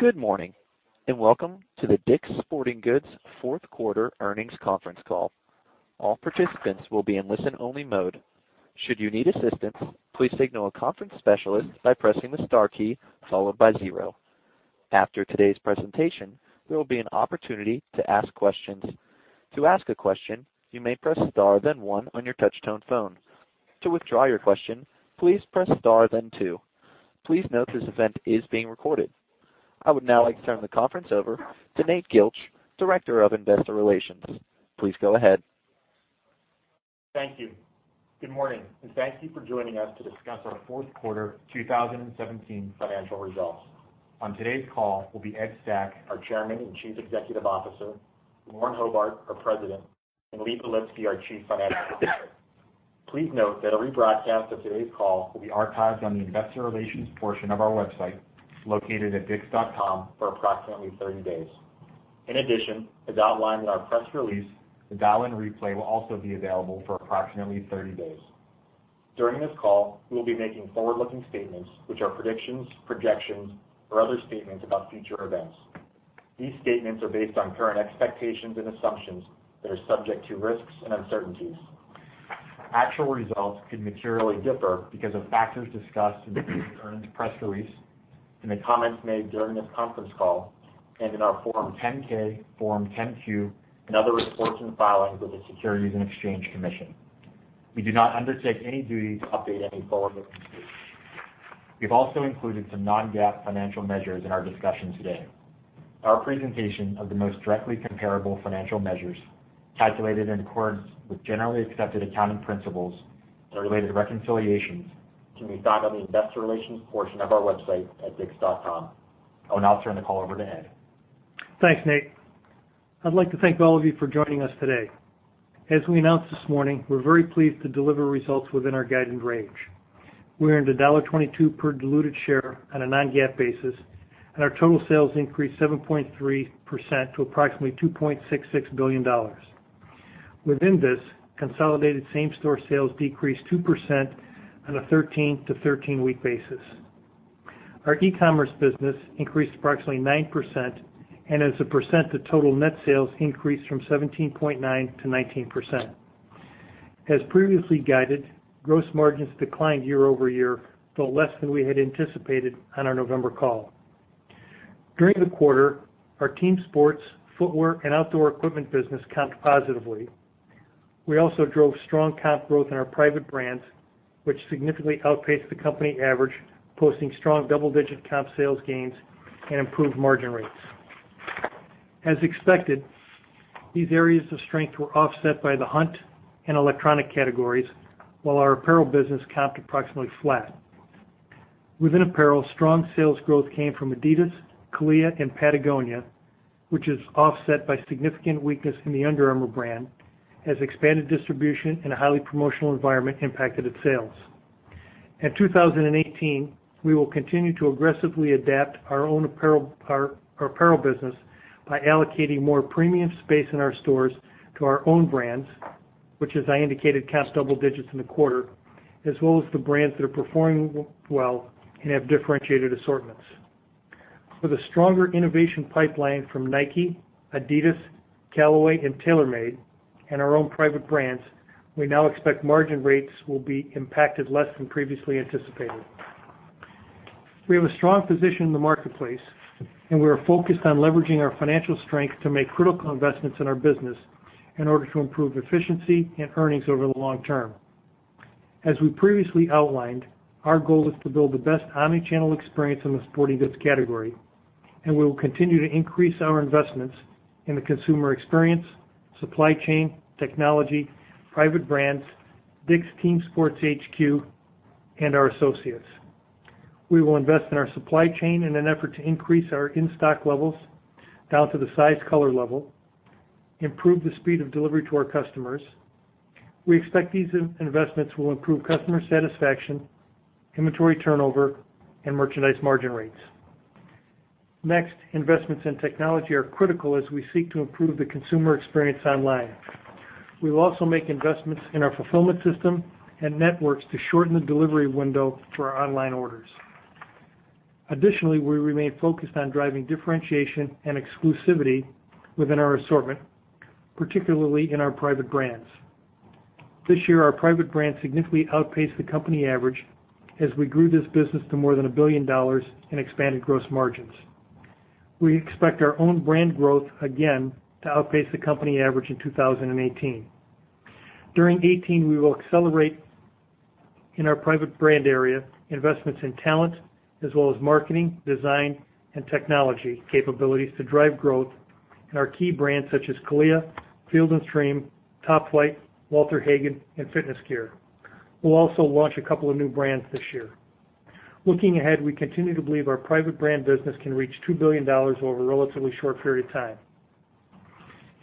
Good morning, and welcome to the DICK'S Sporting Goods fourth quarter earnings conference call. All participants will be in listen-only mode. Should you need assistance, please signal a conference specialist by pressing the star key followed by zero. After today's presentation, there will be an opportunity to ask questions. To ask a question, you may press star then one on your touch-tone phone. To withdraw your question, please press star then two. Please note this event is being recorded. I would now like to turn the conference over to Nate Gilch, Director of Investor Relations. Please go ahead. Thank you. Good morning, and thank you for joining us to discuss our fourth quarter 2017 financial results. On today's call will be Ed Stack, our Chairman and Chief Executive Officer, Lauren Hobart, our President, and Lee Belitsky, our Chief Financial Officer. Please note that a rebroadcast of today's call will be archived on the investor relations portion of our website, located at dicks.com, for approximately 30 days. In addition, as outlined in our press release, the dial-in replay will also be available for approximately 30 days. During this call, we will be making forward-looking statements, which are predictions, projections, or other statements about future events. These statements are based on current expectations and assumptions that are subject to risks and uncertainties. Actual results could materially differ because of factors discussed in the earnings press release, in the comments made during this conference call, and in our Form 10-K, Form 10-Q, and other reports and filings with the Securities and Exchange Commission. We do not undertake any duty to update any forward-looking statements. We've also included some non-GAAP financial measures in our discussion today. Our presentation of the most directly comparable financial measures calculated in accordance with generally accepted accounting principles and related reconciliations can be found on the investor relations portion of our website at dicks.com. I will now turn the call over to Ed. Thanks, Nate. I'd like to thank all of you for joining us today. As we announced this morning, we're very pleased to deliver results within our guided range. We earned a $1.22 per diluted share on a non-GAAP basis, and our total sales increased 7.3% to approximately $2.66 billion. Within this, consolidated same-store sales decreased 2% on a 13 to 13 week basis. Our e-commerce business increased approximately 9%, and as a percent of total net sales increased from 17.9% to 19%. As previously guided, gross margins declined year-over-year, though less than we had anticipated on our November call. During the quarter, our team sports, footwear, and outdoor equipment business comped positively. We also drove strong comp growth in our private brands, which significantly outpaced the company average, posting strong double-digit comp sales gains and improved margin rates. As expected, these areas of strength were offset by the hunt and electronic categories, while our apparel business comped approximately flat. Within apparel, strong sales growth came from Adidas, CALIA, and Patagonia, which is offset by significant weakness in the Under Armour brand, as expanded distribution in a highly promotional environment impacted its sales. In 2018, we will continue to aggressively adapt our apparel business by allocating more premium space in our stores to our own brands, which, as I indicated, comped double digits in the quarter, as well as the brands that are performing well and have differentiated assortments. With a stronger innovation pipeline from Nike, Adidas, Callaway, and TaylorMade, and our own private brands, we now expect margin rates will be impacted less than previously anticipated. We have a strong position in the marketplace, and we are focused on leveraging our financial strength to make critical investments in our business in order to improve efficiency and earnings over the long term. As we previously outlined, our goal is to build the best omni-channel experience in the sporting goods category, and we will continue to increase our investments in the consumer experience, supply chain, technology, private brands, DICK'S Team Sports HQ, and our associates. We will invest in our supply chain in an effort to increase our in-stock levels down to the size color level, improve the speed of delivery to our customers. We expect these investments will improve customer satisfaction, inventory turnover, and merchandise margin rates. Next, investments in technology are critical as we seek to improve the consumer experience online. We will also make investments in our fulfillment system and networks to shorten the delivery window for our online orders. Additionally, we remain focused on driving differentiation and exclusivity within our assortment, particularly in our private brands. This year, our private brands significantly outpaced the company average as we grew this business to more than $1 billion and expanded gross margins. We expect our own brand growth again to outpace the company average in 2018. During 2018, we will accelerate in our private brand area investments in talent as well as marketing, design, and technology capabilities to drive growth in our key brands such as CALIA, Field & Stream, Top Flite, Walter Hagen, and Fitness Gear. We'll also launch a couple of new brands this year. Looking ahead, we continue to believe our private brand business can reach $2 billion over a relatively short period of time.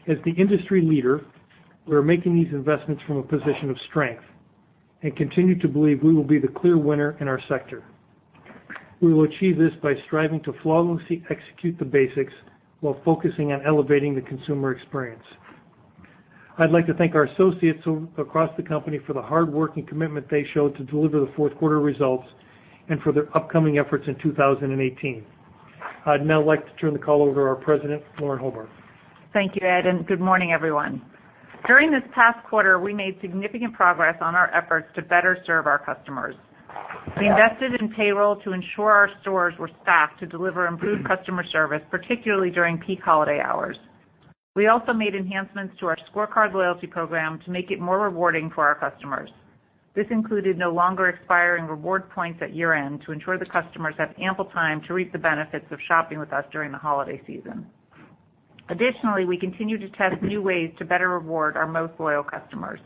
As the industry leader, we are making these investments from a position of strength and continue to believe we will be the clear winner in our sector. We will achieve this by striving to flawlessly execute the basics while focusing on elevating the consumer experience. I'd like to thank our associates across the company for the hard work and commitment they showed to deliver the fourth quarter results and for their upcoming efforts in 2018. I'd now like to turn the call over to our President, Lauren Hobart. Thank you, Ed. Good morning, everyone. During this past quarter, we made significant progress on our efforts to better serve our customers. We invested in payroll to ensure our stores were staffed to deliver improved customer service, particularly during peak holiday hours. We also made enhancements to our scoreCard loyalty program to make it more rewarding for our customers. This included no longer expiring reward points at year-end to ensure the customers have ample time to reap the benefits of shopping with us during the holiday season. Additionally, we continue to test new ways to better reward our most loyal customers.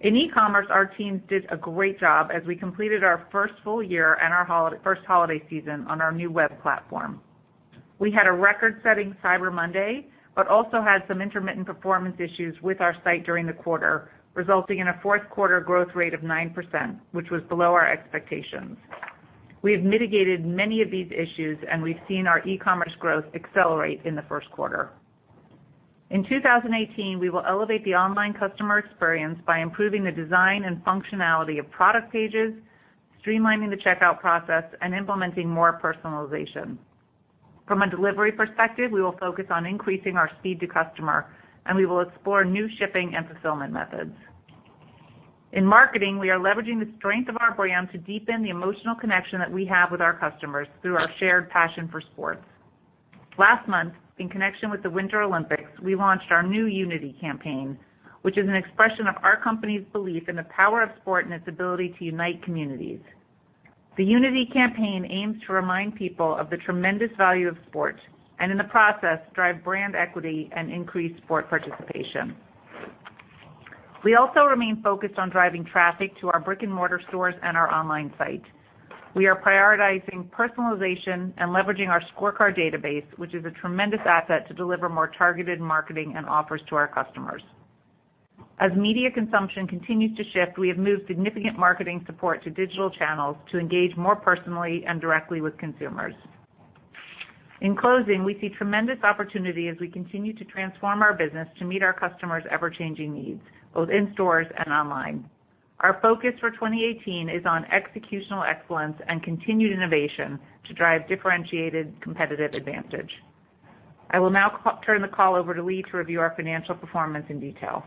In e-commerce, our teams did a great job as we completed our first full year and our first holiday season on our new web platform. We had a record-setting Cyber Monday. We also had some intermittent performance issues with our site during the quarter, resulting in a fourth quarter growth rate of 9%, which was below our expectations. We have mitigated many of these issues. We've seen our e-commerce growth accelerate in the first quarter. In 2018, we will elevate the online customer experience by improving the design and functionality of product pages, streamlining the checkout process, and implementing more personalization. From a delivery perspective, we will focus on increasing our speed to customer. We will explore new shipping and fulfillment methods. In marketing, we are leveraging the strength of our brand to deepen the emotional connection that we have with our customers through our shared passion for sports. Last month, in connection with the Winter Olympics, we launched our new Unity Campaign, which is an expression of our company's belief in the power of sport and its ability to unite communities. The Unity Campaign aims to remind people of the tremendous value of sport and, in the process, drive brand equity and increase sport participation. We also remain focused on driving traffic to our brick-and-mortar stores and our online site. We are prioritizing personalization and leveraging our scoreCard database, which is a tremendous asset to deliver more targeted marketing and offers to our customers. As media consumption continues to shift, we have moved significant marketing support to digital channels to engage more personally and directly with consumers. In closing, we see tremendous opportunity as we continue to transform our business to meet our customers' ever-changing needs, both in stores and online. Our focus for 2018 is on executional excellence and continued innovation to drive differentiated competitive advantage. I will now turn the call over to Lee to review our financial performance in detail.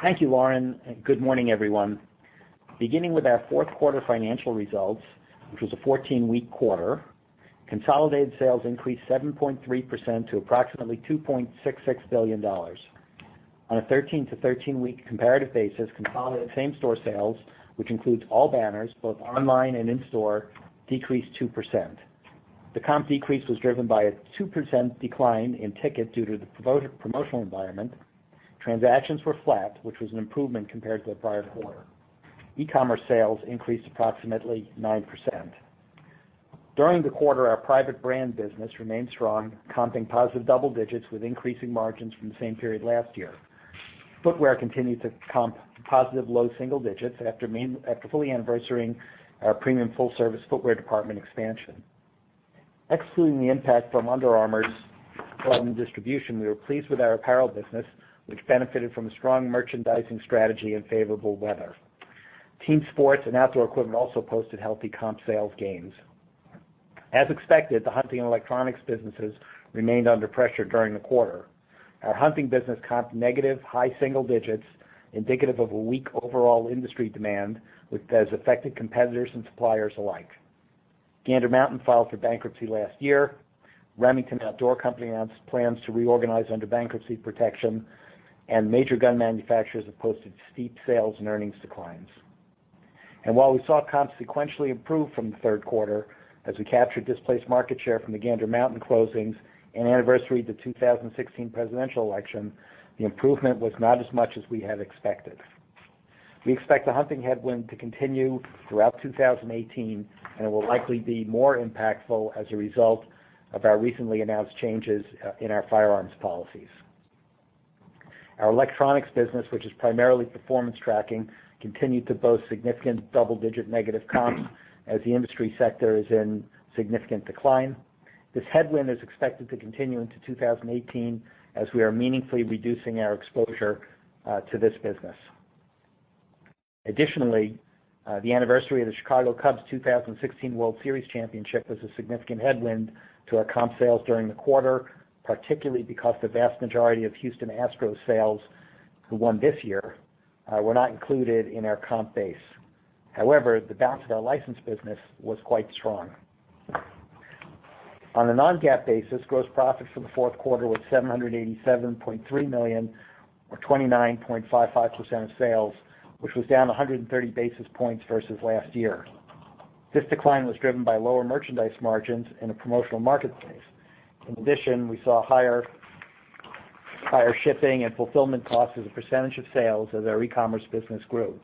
Thank you, Lauren, good morning, everyone. Beginning with our fourth quarter financial results, which was a 14-week quarter, consolidated sales increased 7.3% to approximately $2.66 billion. On a 13 to 13-week comparative basis, consolidated same-store sales, which includes all banners, both online and in-store, decreased 2%. The comp decrease was driven by a 2% decline in ticket due to the promotional environment. Transactions were flat, which was an improvement compared to the prior quarter. E-commerce sales increased approximately 9%. During the quarter, our private brand business remained strong, comping positive double digits with increasing margins from the same period last year. Footwear continued to comp positive low single digits after fully anniversarying our premium full-service footwear department expansion. Excluding the impact from Under Armour's problem distribution, we were pleased with our apparel business, which benefited from a strong merchandising strategy and favorable weather. Team sports and outdoor equipment also posted healthy comp sales gains. As expected, the hunting and electronics businesses remained under pressure during the quarter. Our hunting business comped negative high single digits, indicative of a weak overall industry demand, which has affected competitors and suppliers alike. Gander Mountain filed for bankruptcy last year. Remington Outdoor Company announced plans to reorganize under bankruptcy protection, major gun manufacturers have posted steep sales and earnings declines. While we saw comps sequentially improve from the third quarter as we captured displaced market share from the Gander Mountain closings and anniversaried the 2016 presidential election, the improvement was not as much as we had expected. We expect the hunting headwind to continue throughout 2018, and it will likely be more impactful as a result of our recently announced changes in our firearms policies. Our electronics business, which is primarily performance tracking, continued to boast significant double-digit negative comps as the industry sector is in significant decline. This headwind is expected to continue into 2018 as we are meaningfully reducing our exposure to this business. Additionally, the anniversary of the Chicago Cubs' 2016 World Series championship was a significant headwind to our comp sales during the quarter, particularly because the vast majority of Houston Astros sales, who won this year, were not included in our comp base. However, the bounce of our license business was quite strong. On a non-GAAP basis, gross profits for the fourth quarter were $787.3 million or 29.55% of sales, which was down 130 basis points versus last year. This decline was driven by lower merchandise margins in a promotional market space. In addition, we saw higher shipping and fulfillment costs as a percentage of sales as our e-commerce business grew.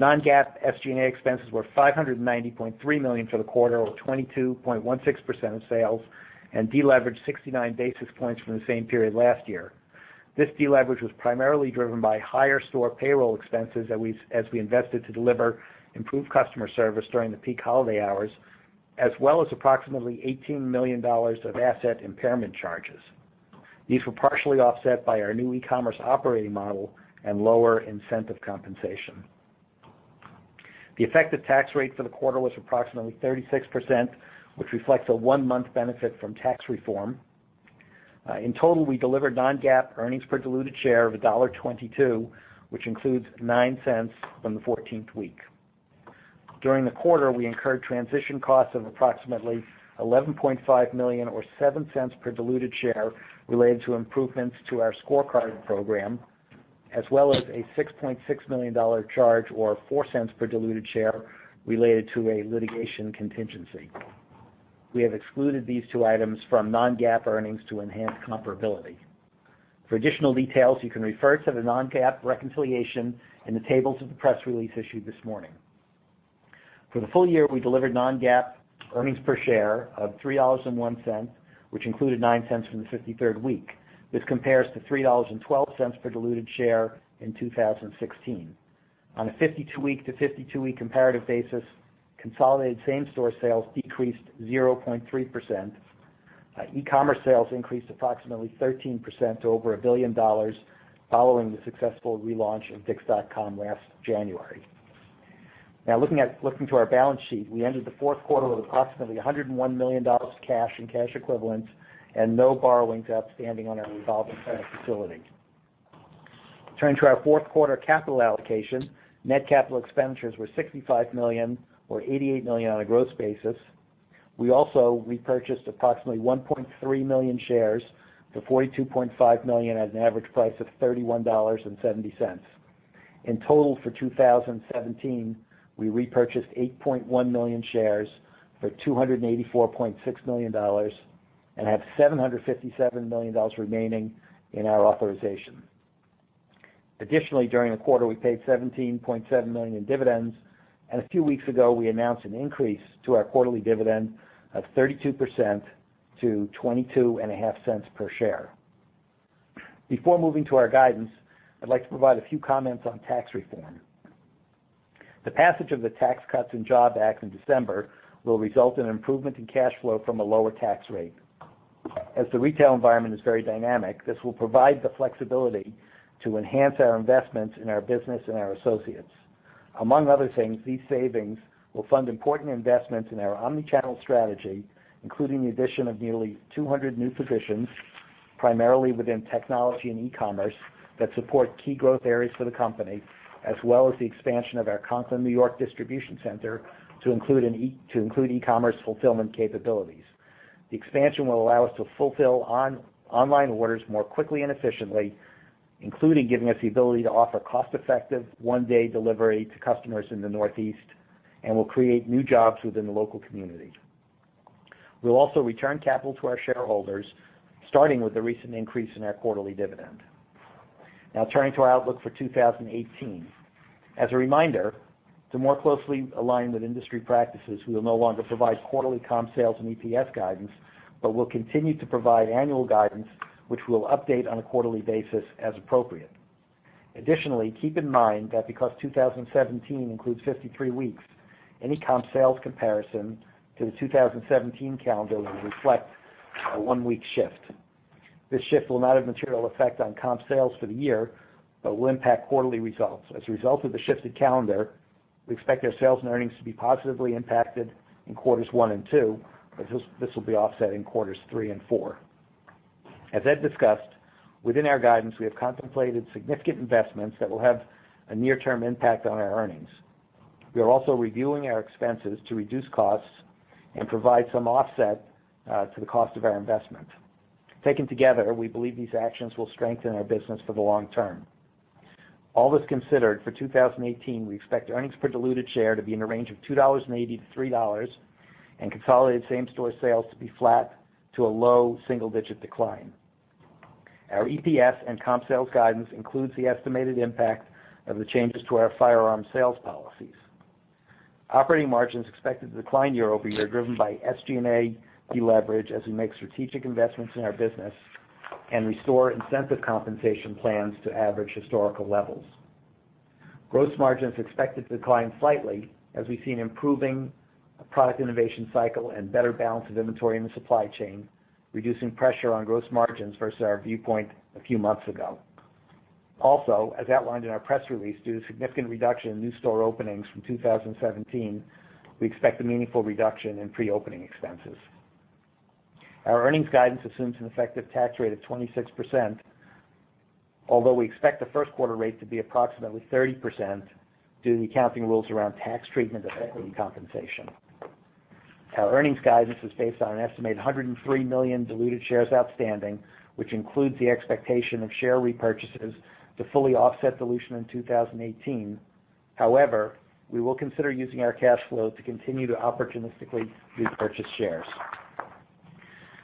Non-GAAP SG&A expenses were $590.3 million for the quarter or 22.16% of sales and deleveraged 69 basis points from the same period last year. This deleverage was primarily driven by higher store payroll expenses as we invested to deliver improved customer service during the peak holiday hours. Approximately $18 million of asset impairment charges. These were partially offset by our new e-commerce operating model and lower incentive compensation. The effective tax rate for the quarter was approximately 36%, which reflects a one-month benefit from tax reform. In total, we delivered non-GAAP earnings per diluted share of $1.22, which includes $0.09 from the 14th week. During the quarter, we incurred transition costs of approximately $11.5 million or $0.07 per diluted share related to improvements to our scorecard program, as well as a $6.6 million charge, or $0.04 per diluted share, related to a litigation contingency. We have excluded these two items from non-GAAP earnings to enhance comparability. For additional details, you can refer to the non-GAAP reconciliation in the tables of the press release issued this morning. For the full year, we delivered non-GAAP earnings per share of $3.01, which included $0.09 from the 53rd week. This compares to $3.12 per diluted share in 2016. On a 52-week to 52-week comparative basis, consolidated same-store sales decreased 0.3%. E-commerce sales increased approximately 13% to over $1 billion following the successful relaunch of dicks.com last January. Looking to our balance sheet. We ended the fourth quarter with approximately $101 million cash and cash equivalents and no borrowings outstanding on our revolving credit facility. Turning to our fourth quarter capital allocation, net capital expenditures were $65 million, or $88 million on a gross basis. We also repurchased approximately 1.3 million shares for $42.5 million at an average price of $31.70. In total for 2017, we repurchased 8.1 million shares for $284.6 million and have $757 million remaining in our authorization. Additionally, during the quarter, we paid $17.7 million in dividends, and a few weeks ago, we announced an increase to our quarterly dividend of 32% to $0.225 per share. Before moving to our guidance, I'd like to provide a few comments on tax reform. The passage of the Tax Cuts and Jobs Act in December will result in improvement in cash flow from a lower tax rate. The retail environment is very dynamic, this will provide the flexibility to enhance our investments in our business and our associates. Among other things, these savings will fund important investments in our omnichannel strategy, including the addition of nearly 200 new positions, primarily within technology and e-commerce, that support key growth areas for the company, as well as the expansion of our Conklin, New York distribution center to include e-commerce fulfillment capabilities. The expansion will allow us to fulfill online orders more quickly and efficiently, including giving us the ability to offer cost-effective one-day delivery to customers in the Northeast and will create new jobs within the local community. We'll also return capital to our shareholders, starting with the recent increase in our quarterly dividend. Turning to our outlook for 2018. As a reminder, to more closely align with industry practices, we will no longer provide quarterly comp sales and EPS guidance but will continue to provide annual guidance, which we'll update on a quarterly basis as appropriate. Additionally, keep in mind that because 2017 includes 53 weeks, any comp sales comparison to the 2017 calendar will reflect a one-week shift. This shift will not have a material effect on comp sales for the year but will impact quarterly results. As a result of the shifted calendar, we expect our sales and earnings to be positively impacted in quarters one and two, but this will be offset in quarters three and four. As Ed discussed, within our guidance, we have contemplated significant investments that will have a near-term impact on our earnings. We are also reviewing our expenses to reduce costs and provide some offset to the cost of our investment. Taken together, we believe these actions will strengthen our business for the long term. All this considered, for 2018, we expect earnings per diluted share to be in the range of $2.80 to $3.00 and consolidated same-store sales to be flat to a low single-digit decline. Our EPS and comp sales guidance includes the estimated impact of the changes to our firearm sales policies. Operating margin is expected to decline year-over-year, driven by SG&A deleverage as we make strategic investments in our business and restore incentive compensation plans to average historical levels. Gross margin is expected to decline slightly as we've seen improving product innovation cycle and better balance of inventory in the supply chain, reducing pressure on gross margins versus our viewpoint a few months ago. Also, as outlined in our press release, due to significant reduction in new store openings from 2017, we expect a meaningful reduction in pre-opening expenses. Our earnings guidance assumes an effective tax rate of 26%, although we expect the first quarter rate to be approximately 30% due to the accounting rules around tax treatment of equity compensation. Our earnings guidance is based on an estimated 103 million diluted shares outstanding, which includes the expectation of share repurchases to fully offset dilution in 2018. However, we will consider using our cash flow to continue to opportunistically repurchase shares.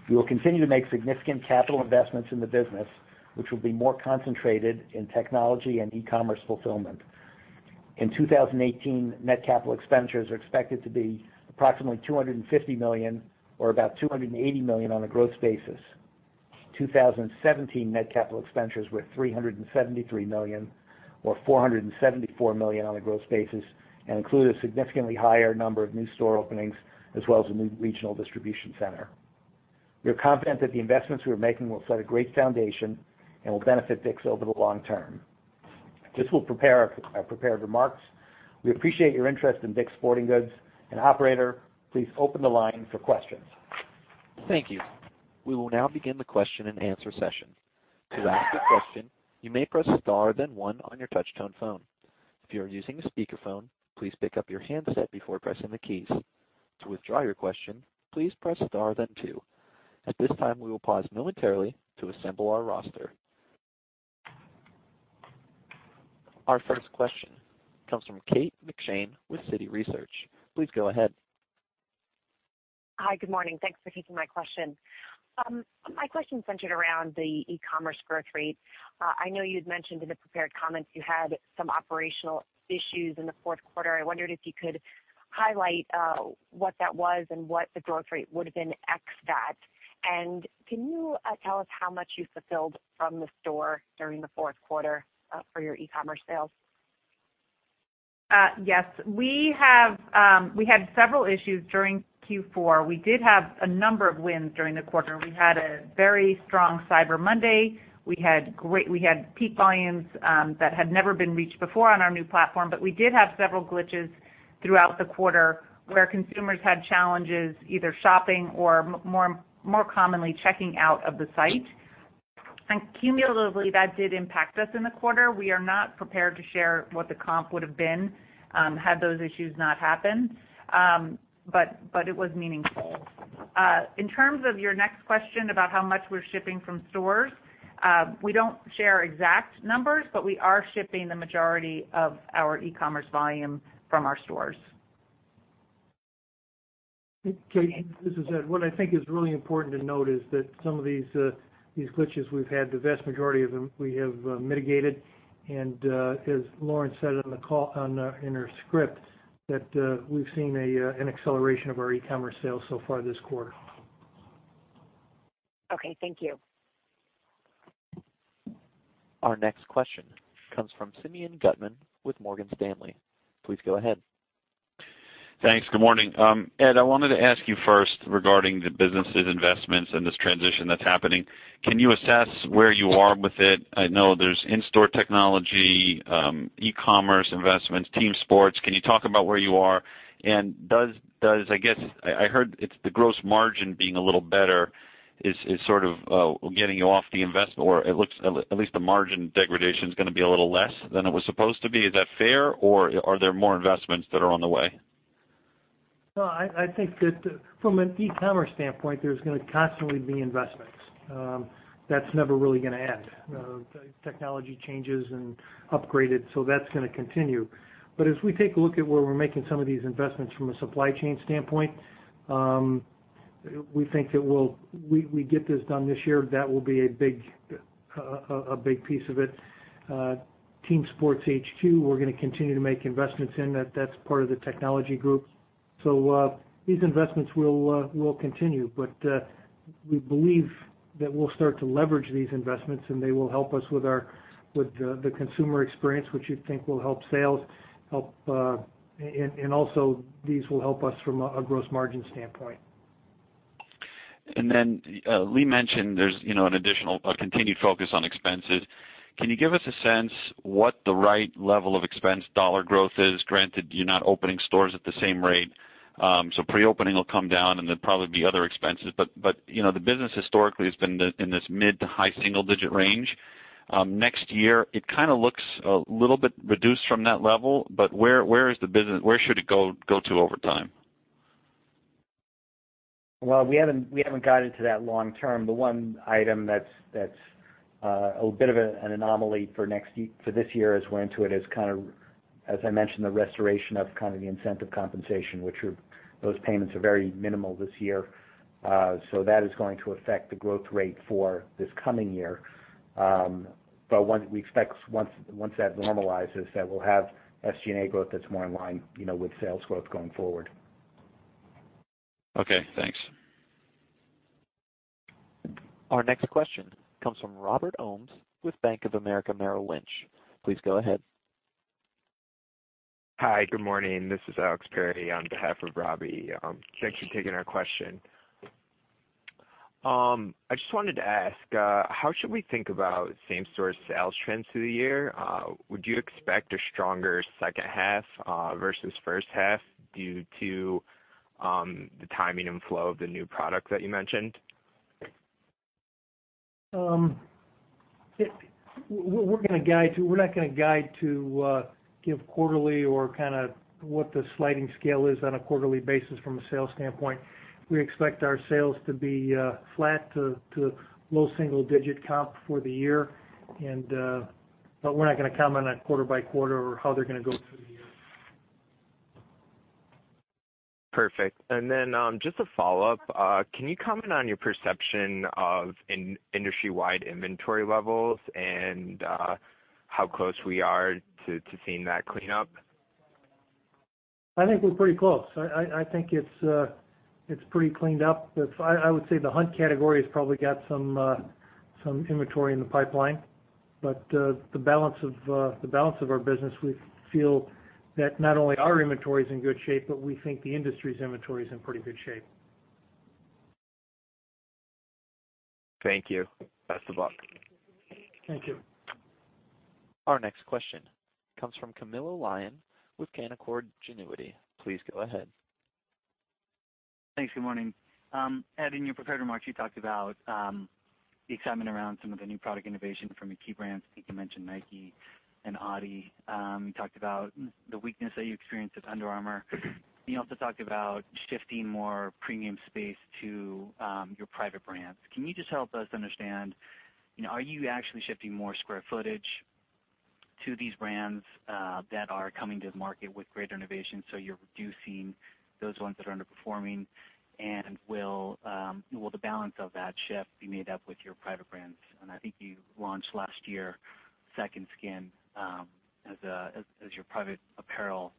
We will continue to make significant capital investments in the business, which will be more concentrated in technology and e-commerce fulfillment. In 2018, net capital expenditures are expected to be approximately $250 million or about $280 million on a growth basis. 2017 net capital expenditures were $373 million or $474 million on a gross basis and include a significantly higher number of new store openings as well as a new regional distribution center. We are confident that the investments we are making will set a great foundation and will benefit DICK'S over the long term. This will prepare our prepared remarks. We appreciate your interest in DICK'S Sporting Goods and operator, please open the line for questions. Thank you. We will now begin the question and answer session. To ask a question, you may press star, then one on your touchtone phone. If you are using a speakerphone, please pick up your handset before pressing the keys. To withdraw your question, please press star then two. At this time, we will pause momentarily to assemble our roster. Our first question comes from Kate McShane with Citi Research. Please go ahead. Hi. Good morning. Thanks for taking my question. My question centered around the e-commerce growth rate. I know you had mentioned in the prepared comments you had some operational issues in the fourth quarter. I wondered if you could highlight what that was and what the growth rate would've been, X that, and can you tell us how much you fulfilled from the store during the fourth quarter, for your e-commerce sales? Yes. We had several issues during Q4. We did have a number of wins during the quarter. We had a very strong Cyber Monday. We had peak volumes, that had never been reached before on our new platform, but we did have several glitches throughout the quarter where consumers had challenges either shopping or more commonly checking out of the site, and cumulatively, that did impact us in the quarter. We are not prepared to share what the comp would've been, had those issues not happened. It was meaningful. In terms of your next question about how much we're shipping from stores, we don't share exact numbers, but we are shipping the majority of our e-commerce volume from our stores. Kate, this is Ed. What I think is really important to note is that some of these glitches we've had, the vast majority of them we have mitigated, as Lauren said in her script, that we've seen an acceleration of our e-commerce sales so far this quarter. Okay. Thank you. Our next question comes from Simeon Gutman with Morgan Stanley. Please go ahead. Thanks. Good morning. Ed, I wanted to ask you first regarding the business' investments and this transition that's happening, can you assess where you are with it? I know there's in-store technology, e-commerce investments, Team Sports HQ. Can you talk about where you are? I heard it's the gross margin being a little better is sort of, getting you off the investment, or at least the margin degradation's gonna be a little less than it was supposed to be. Is that fair, or are there more investments that are on the way? I think that from an e-commerce standpoint, there's gonna constantly be investments. That's never really gonna end. Technology changes and upgraded, that's gonna continue. As we take a look at where we're making some of these investments from a supply chain standpoint, we think that we get this done this year, that will be a big piece of it. Team Sports HQ, we're gonna continue to make investments in. That's part of the technology group. These investments will continue, but we believe that we'll start to leverage these investments, they will help us with the consumer experience, which you think will help sales, also these will help us from a gross margin standpoint. Lee mentioned there's an additional, a continued focus on expenses. Can you give us a sense what the right level of expense dollar growth is, granted you're not opening stores at the same rate. Pre-opening will come down and there'd probably be other expenses, but the business historically has been in this mid to high single-digit range. Next year it kind of looks a little bit reduced from that level, but where should it go to over time? Well, we haven't guided to that long term. The one item that's a bit of an anomaly for this year as we're into it is, as I mentioned, the restoration of the incentive compensation, which those payments are very minimal this year. That is going to affect the growth rate for this coming year. We expect once that normalizes, that we'll have SG&A growth that's more in line with sales growth going forward. Okay, thanks. Our next question comes from Robert Ohmes with Bank of America, Merrill Lynch. Please go ahead. Hi. Good morning. This is Alex Perry on behalf of Robbie. Thanks for taking our question. I just wanted to ask, how should we think about same store sales trends through the year? Would you expect a stronger second half versus first half due to the timing and flow of the new product that you mentioned? We're not gonna guide to give quarterly or what the sliding scale is on a quarterly basis from a sales standpoint. We expect our sales to be flat to low single digit comp for the year. We're not gonna comment on quarter by quarter or how they're gonna go through the year. Perfect. Just a follow-up. Can you comment on your perception of industry-wide inventory levels and how close we are to seeing that clean up? I think we're pretty close. I think it's pretty cleaned up. I would say the hunt category has probably got some inventory in the pipeline. The balance of our business, we feel that not only our inventory is in good shape, but we think the industry's inventory is in pretty good shape. Thank you. Best of luck. Thank you. Our next question comes from Camilo Lyon with Canaccord Genuity. Please go ahead. Thanks. Good morning. Ed, in your prepared remarks, you talked about the excitement around some of the new product innovation from your key brands. I think you mentioned Nike and Adidas. You talked about the weakness that you experienced with Under Armour. You also talked about shifting more premium space to your private brands. Can you just help us understand, are you actually shifting more square footage to these brands that are coming to the market with greater innovation, so you're reducing those ones that are underperforming? Will the balance of that shift be made up with your private brands? I think you launched last year, Second Skin, as your private apparel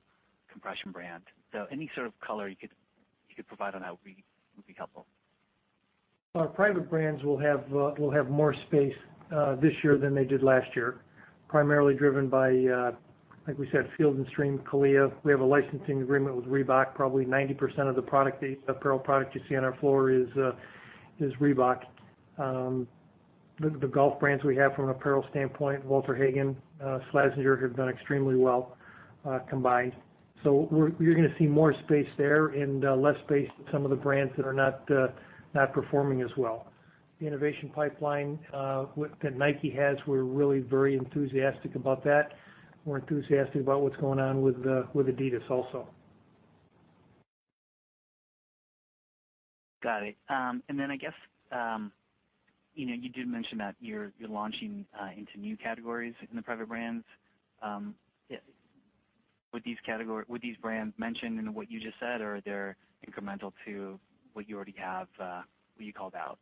compression brand. So any sort of color you could provide on that would be helpful. Our private brands will have more space this year than they did last year, primarily driven by, like we said, Field & Stream, CALIA. We have a licensing agreement with Reebok. Probably 90% of the apparel product you see on our floor is Reebok. The golf brands we have from an apparel standpoint, Walter Hagen, Slazenger, have done extremely well combined. You're going to see more space there and less space with some of the brands that are not performing as well. The innovation pipeline that Nike has, we're really very enthusiastic about that. We're enthusiastic about what's going on with Adidas also. Got it. I guess, you did mention that you're launching into new categories in the private brands. Were these brands mentioned in what you just said, or are they incremental to what you already have, what you called out?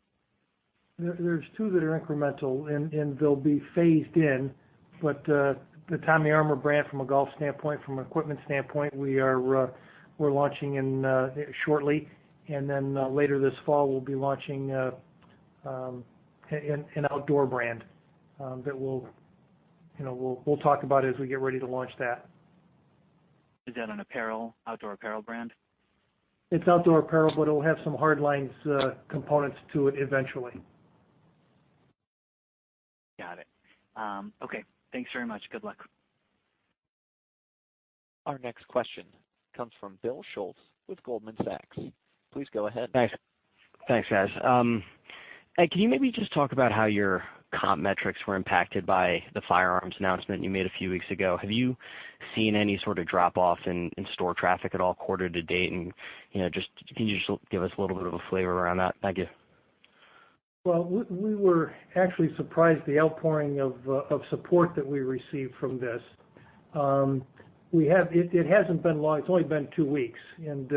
There's two that are incremental, and they'll be phased in. The Tommy Armour brand from a golf standpoint, from an equipment standpoint, we're launching shortly. Later this fall, we'll be launching an outdoor brand that we'll talk about as we get ready to launch that. Is that an outdoor apparel brand? It's outdoor apparel, it'll have some hard lines components to it eventually. Got it. Okay. Thanks very much. Good luck. Our next question comes from Bill Schulz with Goldman Sachs. Please go ahead. Thanks, guys. Ed, can you maybe just talk about how your comp metrics were impacted by the firearms announcement you made a few weeks ago? Have you seen any sort of drop-off in store traffic at all quarter to date, can you just give us a little bit of a flavor around that? Thank you. Well, we were actually surprised the outpouring of support that we received from this. It's only been two weeks and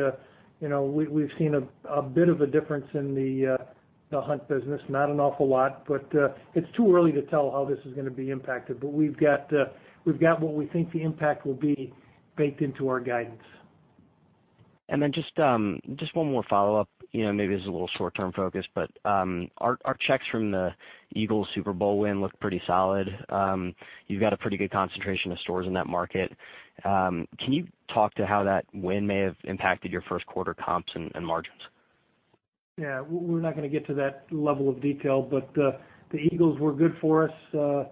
we've seen a bit of a difference in the hunt business, not an awful lot, but it's too early to tell how this is going to be impacted. We've got what we think the impact will be baked into our guidance. Just one more follow-up, maybe this is a little short-term focused, but our checks from the Eagles Super Bowl win looked pretty solid. You've got a pretty good concentration of stores in that market. Can you talk to how that win may have impacted your first quarter comps and margins? Yeah. We're not going to get to that level of detail, but the Eagles were good for us.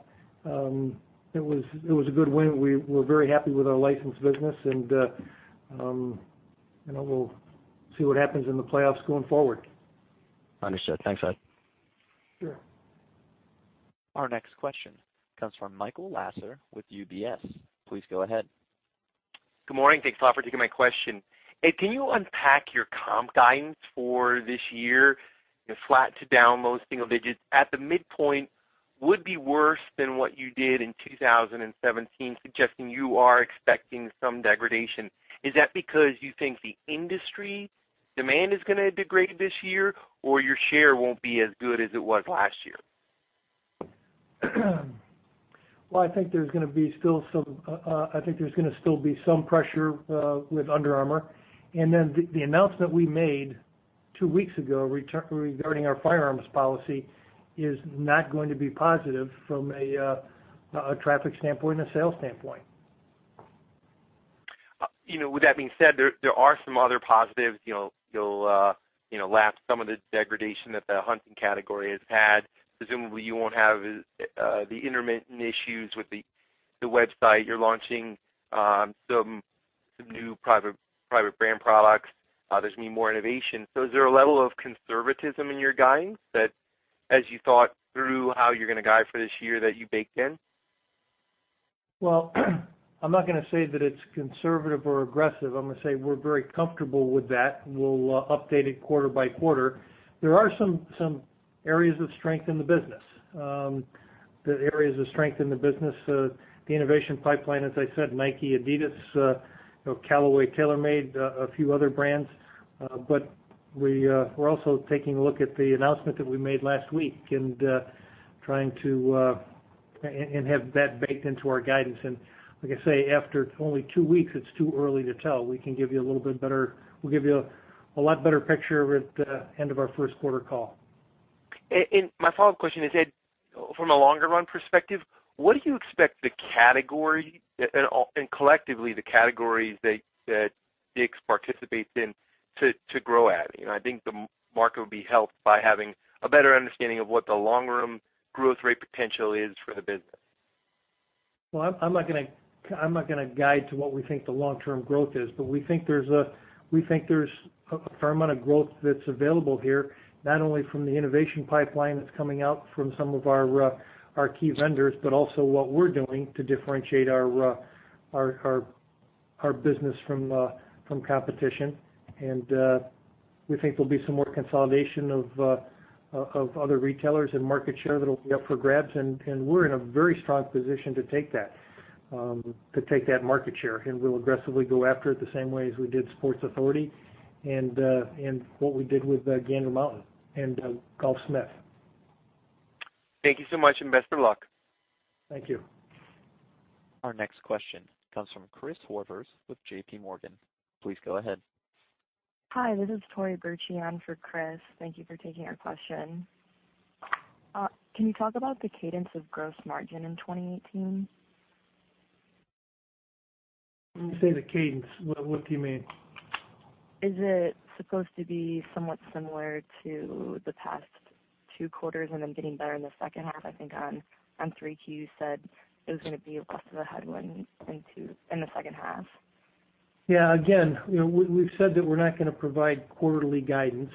It was a good win. We're very happy with our licensed business, and we'll see what happens in the playoffs going forward. Understood. Thanks, Ed. Sure. Our next question comes from Michael Lasser with UBS. Please go ahead. Good morning. Thanks a lot for taking my question. Ed, can you unpack your comp guidance for this year? Flat to down low single digits at the midpoint would be worse than what you did in 2017, suggesting you are expecting some degradation. Is that because you think the industry demand is going to degrade this year, or your share won't be as good as it was last year? Well, I think there's going to still be some pressure with Under Armour. The announcement we made two weeks ago regarding our firearms policy is not going to be positive from a traffic standpoint and a sales standpoint. With that being said, there are some other positives. You'll lap some of the degradation that the hunting category has had. Presumably, you won't have the intermittent issues with the website. You're launching some new private brand products. There's going to be more innovation. Is there a level of conservatism in your guidance that as you thought through how you're going to guide for this year, that you baked in? Well, I'm not going to say that it's conservative or aggressive. I'm going to say we're very comfortable with that, and we'll update it quarter by quarter. There are some areas of strength in the business. The areas of strength in the business, the innovation pipeline, as I said, Nike, Adidas, Callaway, TaylorMade, a few other brands. We're also taking a look at the announcement that we made last week and trying to have that baked into our guidance. Like I say, after only two weeks, it's too early to tell. We'll give you a lot better picture at the end of our first quarter call. My follow-up question is, Ed, from a longer run perspective, what do you expect the category and collectively the categories that DICK'S participates in to grow at? I think the market would be helped by having a better understanding of what the long-term growth rate potential is for the business. Well, I'm not going to guide to what we think the long-term growth is, but we think there's a fair amount of growth that's available here, not only from the innovation pipeline that's coming out from some of our key vendors, but also what we're doing to differentiate our business from competition. We think there'll be some more consolidation of other retailers and market share that'll be up for grabs, and we're in a very strong position to take that market share, and we'll aggressively go after it the same way as we did Sports Authority and what we did with Gander Mountain and Golfsmith. Thank you so much, and best of luck. Thank you. Our next question comes from Chris Horvers with JPMorgan. Please go ahead. Hi, this is Tori Burchian for Chris. Thank you for taking our question. Can you talk about the cadence of gross margin in 2018? When you say the cadence, what do you mean? Is it supposed to be somewhat similar to the past two quarters and then getting better in the second half? I think on 3Q, you said it was going to be less of a headwind in the second half. Yeah. Again, we've said that we're not going to provide quarterly guidance.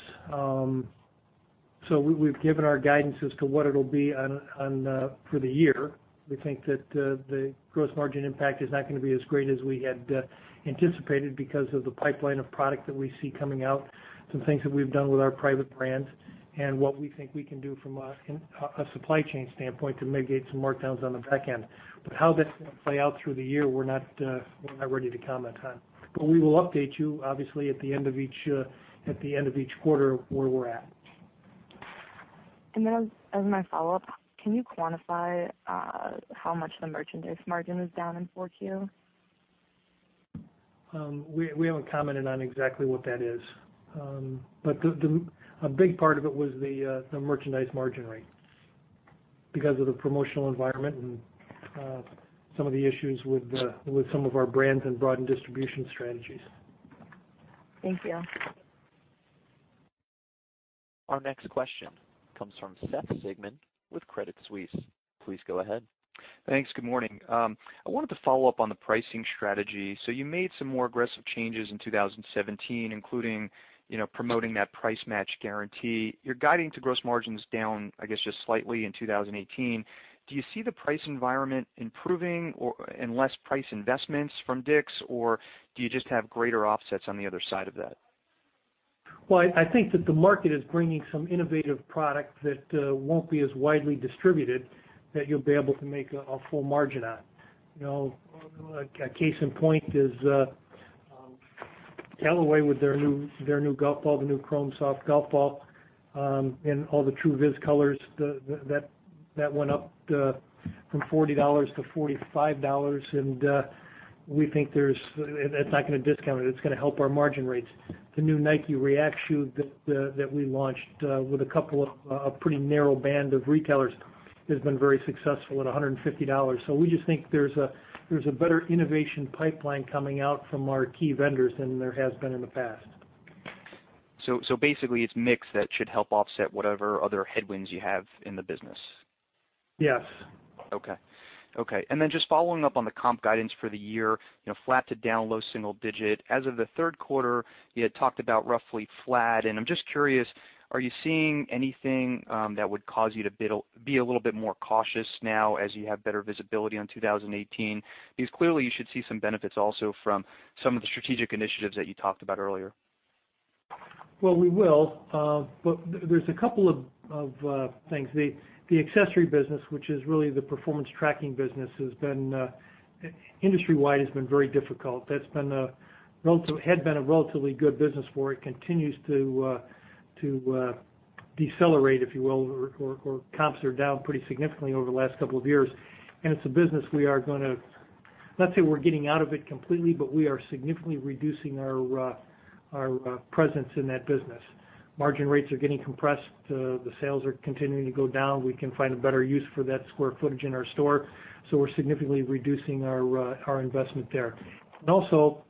We've given our guidance as to what it'll be for the year. We think that the gross margin impact is not going to be as great as we had anticipated because of the pipeline of product that we see coming out, some things that we've done with our private brands, and what we think we can do from a supply chain standpoint to mitigate some markdowns on the back end. How that's going to play out through the year, we're not ready to comment on. We will update you, obviously, at the end of each quarter where we're at. As my follow-up, can you quantify how much the merchandise margin was down in 4Q? We haven't commented on exactly what that is. A big part of it was the merchandise margin rate because of the promotional environment and some of the issues with some of our brands and broadened distribution strategies. Thank you. Our next question comes from Seth Sigman with Credit Suisse. Please go ahead. Thanks. Good morning. I wanted to follow up on the pricing strategy. You made some more aggressive changes in 2017, including promoting that price match guarantee. You're guiding to gross margins down, I guess, just slightly in 2018. Do you see the price environment improving and less price investments from DICK'S, or do you just have greater offsets on the other side of that? Well, I think that the market is bringing some innovative product that won't be as widely distributed, that you'll be able to make a full margin on. A case in point is Callaway with their new golf ball, the new Chrome Soft golf ball, and all the Truvis colors that went up from $40 to $45. We think that's not going to discount it. It's going to help our margin rates. The new Nike React shoe that we launched with a couple of pretty narrow band of retailers has been very successful at $150. We just think there's a better innovation pipeline coming out from our key vendors than there has been in the past. Basically, it's mix that should help offset whatever other headwinds you have in the business. Yes. Okay. Just following up on the comp guidance for the year, flat to down low single-digit. As of the third quarter, you had talked about roughly flat, and I'm just curious, are you seeing anything that would cause you to be a little bit more cautious now as you have better visibility on 2018? Because clearly you should see some benefits also from some of the strategic initiatives that you talked about earlier. We will. There's a couple of things. The accessory business, which is really the performance tracking business, industry-wide has been very difficult. That had been a relatively good business for. It continues to decelerate, if you will, or comps are down pretty significantly over the last couple of years. It's a business, let's say we're getting out of it completely, but we are significantly reducing our presence in that business. Margin rates are getting compressed. The sales are continuing to go down. We can find a better use for that square footage in our store. We're significantly reducing our investment there. Also,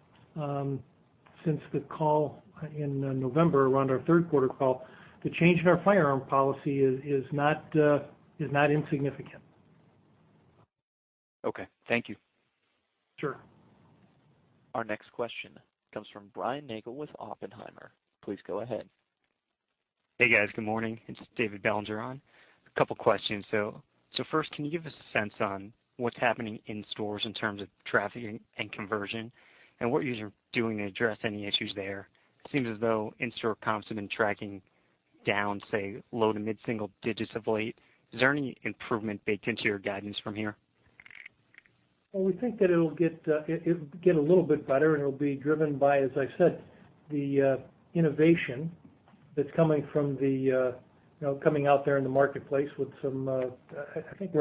since the call in November around our third quarter call, the change in our firearm policy is not insignificant. Okay. Thank you. Sure. Our next question comes from Brian Nagel with Oppenheimer. Please go ahead. Hey, guys. Good morning. It's David Belanger on. A couple questions. First, can you give us a sense on what's happening in stores in terms of traffic and conversion, and what you guys are doing to address any issues there? It seems as though in-store comps have been tracking down, say, low to mid single digits of late. Is there any improvement baked into your guidance from here? Well, we think that it'll get a little bit better, and it'll be driven by, as I said, the innovation that's coming out there in the marketplace. I think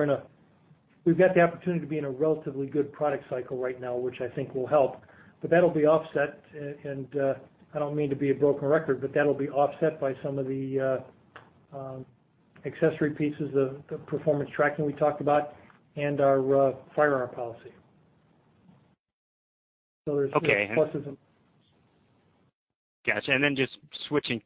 we've got the opportunity to be in a relatively good product cycle right now, which I think will help. That'll be offset, and I don't mean to be a broken record, but that'll be offset by some of the accessory pieces of the performance tracking we talked about and our firearm policy. There's Okay pluses and. Got you. Just switching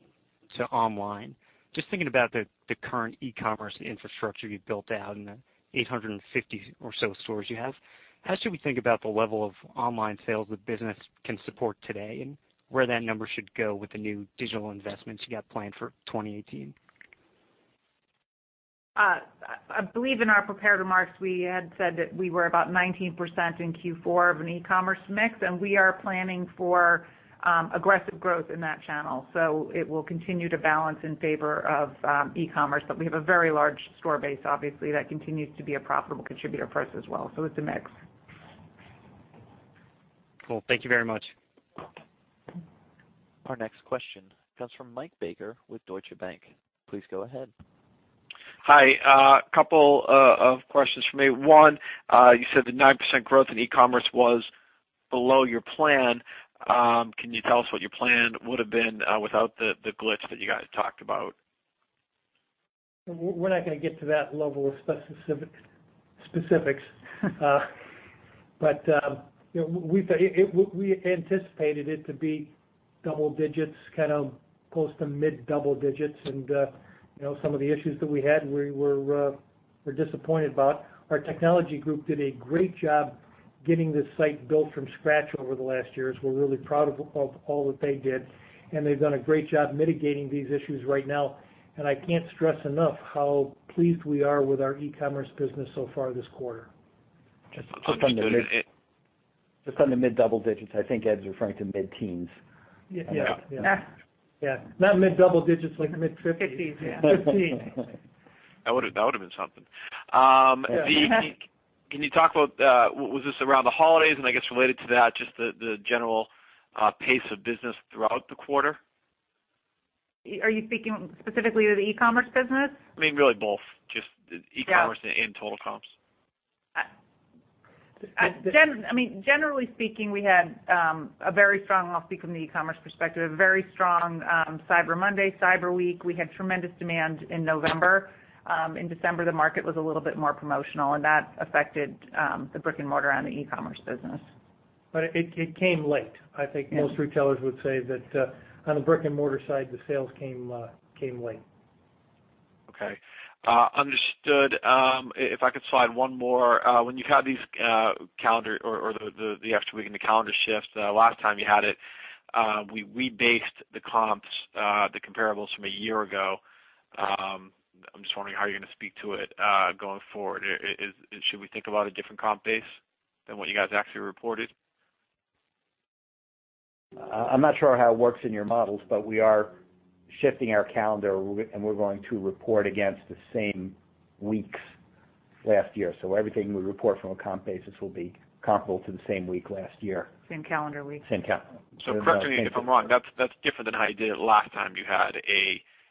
to online, just thinking about the current e-commerce infrastructure you've built out in the 850 or so stores you have, how should we think about the level of online sales the business can support today, and where that number should go with the new digital investments you got planned for 2018? I believe in our prepared remarks, we had said that we were about 19% in Q4 of an e-commerce mix. We are planning for aggressive growth in that channel. It will continue to balance in favor of e-commerce. We have a very large store base, obviously, that continues to be a profitable contributor for us as well. It's a mix. Cool. Thank you very much. Our next question comes from Mike Baker with Deutsche Bank. Please go ahead. Hi. Couple of questions from me. One, you said the 9% growth in e-commerce was below your plan. Can you tell us what your plan would've been without the glitch that you guys talked about? We're not going to get to that level of specifics. We anticipated it to be double digits, close to mid-double digits. Some of the issues that we had, we're disappointed about. Our technology group did a great job getting this site built from scratch over the last year. We're really proud of all that they did, and they've done a great job mitigating these issues right now. I can't stress enough how pleased we are with our e-commerce business so far this quarter. Just on the mid-double digits, I think Ed's referring to mid-teens. Yeah. Yeah. Yeah. Not mid-double digits like mid-50. 50s, yeah. 15. That would've been something. Yeah. Can you talk about, was this around the holidays, I guess related to that, just the general pace of business throughout the quarter? Are you speaking specifically to the e-commerce business? Really both. Just e-commerce. Yeah Total comps. Generally speaking, we had a very strong, and I'll speak from the e-commerce perspective, a very strong Cyber Monday, Cyber Week. We had tremendous demand in November. In December, the market was a little bit more promotional, and that affected the brick-and-mortar and the e-commerce business. It came late. I think most retailers would say that on the brick-and-mortar side, the sales came late. Okay. Understood. If I could slide one more. When you had the extra week and the calendar shift, last time you had it, we based the comps, the comparables from a year ago. I'm just wondering how you're going to speak to it, going forward. Should we think about a different comp base than what you guys actually reported? I'm not sure how it works in your models, but we are shifting our calendar, and we're going to report against the same weeks last year. Everything we report from a comp basis will be comparable to the same week last year. Same calendar week. Same calendar. Correct me if I'm wrong. That's different than how you did it last time. You had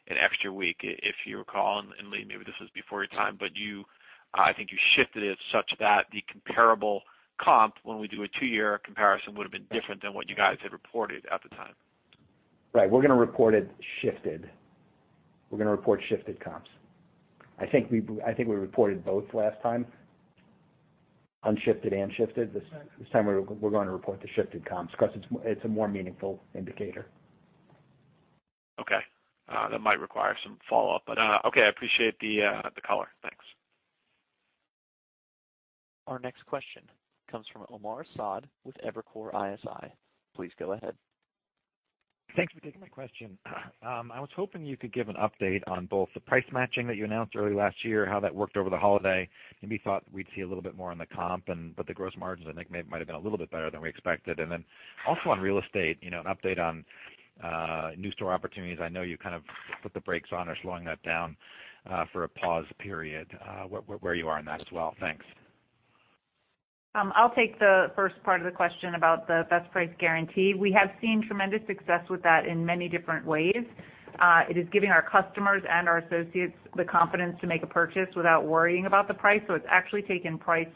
an extra week, if you recall. Lee, maybe this was before your time, but I think you shifted it such that the comparable comp, when we do a two-year comparison, would've been different than what you guys had reported at the time. Right. We're going to report it shifted. We're going to report shifted comps. I think we reported both last time, unshifted and shifted. That's right. This time, we're going to report the shifted comps because it's a more meaningful indicator. Okay. That might require some follow-up, but okay. I appreciate the color. Thanks. Our next question comes from Omar Saad with Evercore ISI. Please go ahead. Thanks for taking my question. I was hoping you could give an update on both the price matching that you announced early last year, how that worked over the holiday. Maybe thought we'd see a little bit more on the comp, but the gross margins, I think, might've been a little bit better than we expected. Then also on real estate, an update on new store opportunities. I know you put the brakes on or slowing that down for a pause period. Where you are on that as well? Thanks. I'll take the first part of the question about the best price guarantee. We have seen tremendous success with that in many different ways. It is giving our customers and our associates the confidence to make a purchase without worrying about the price. It's actually taken price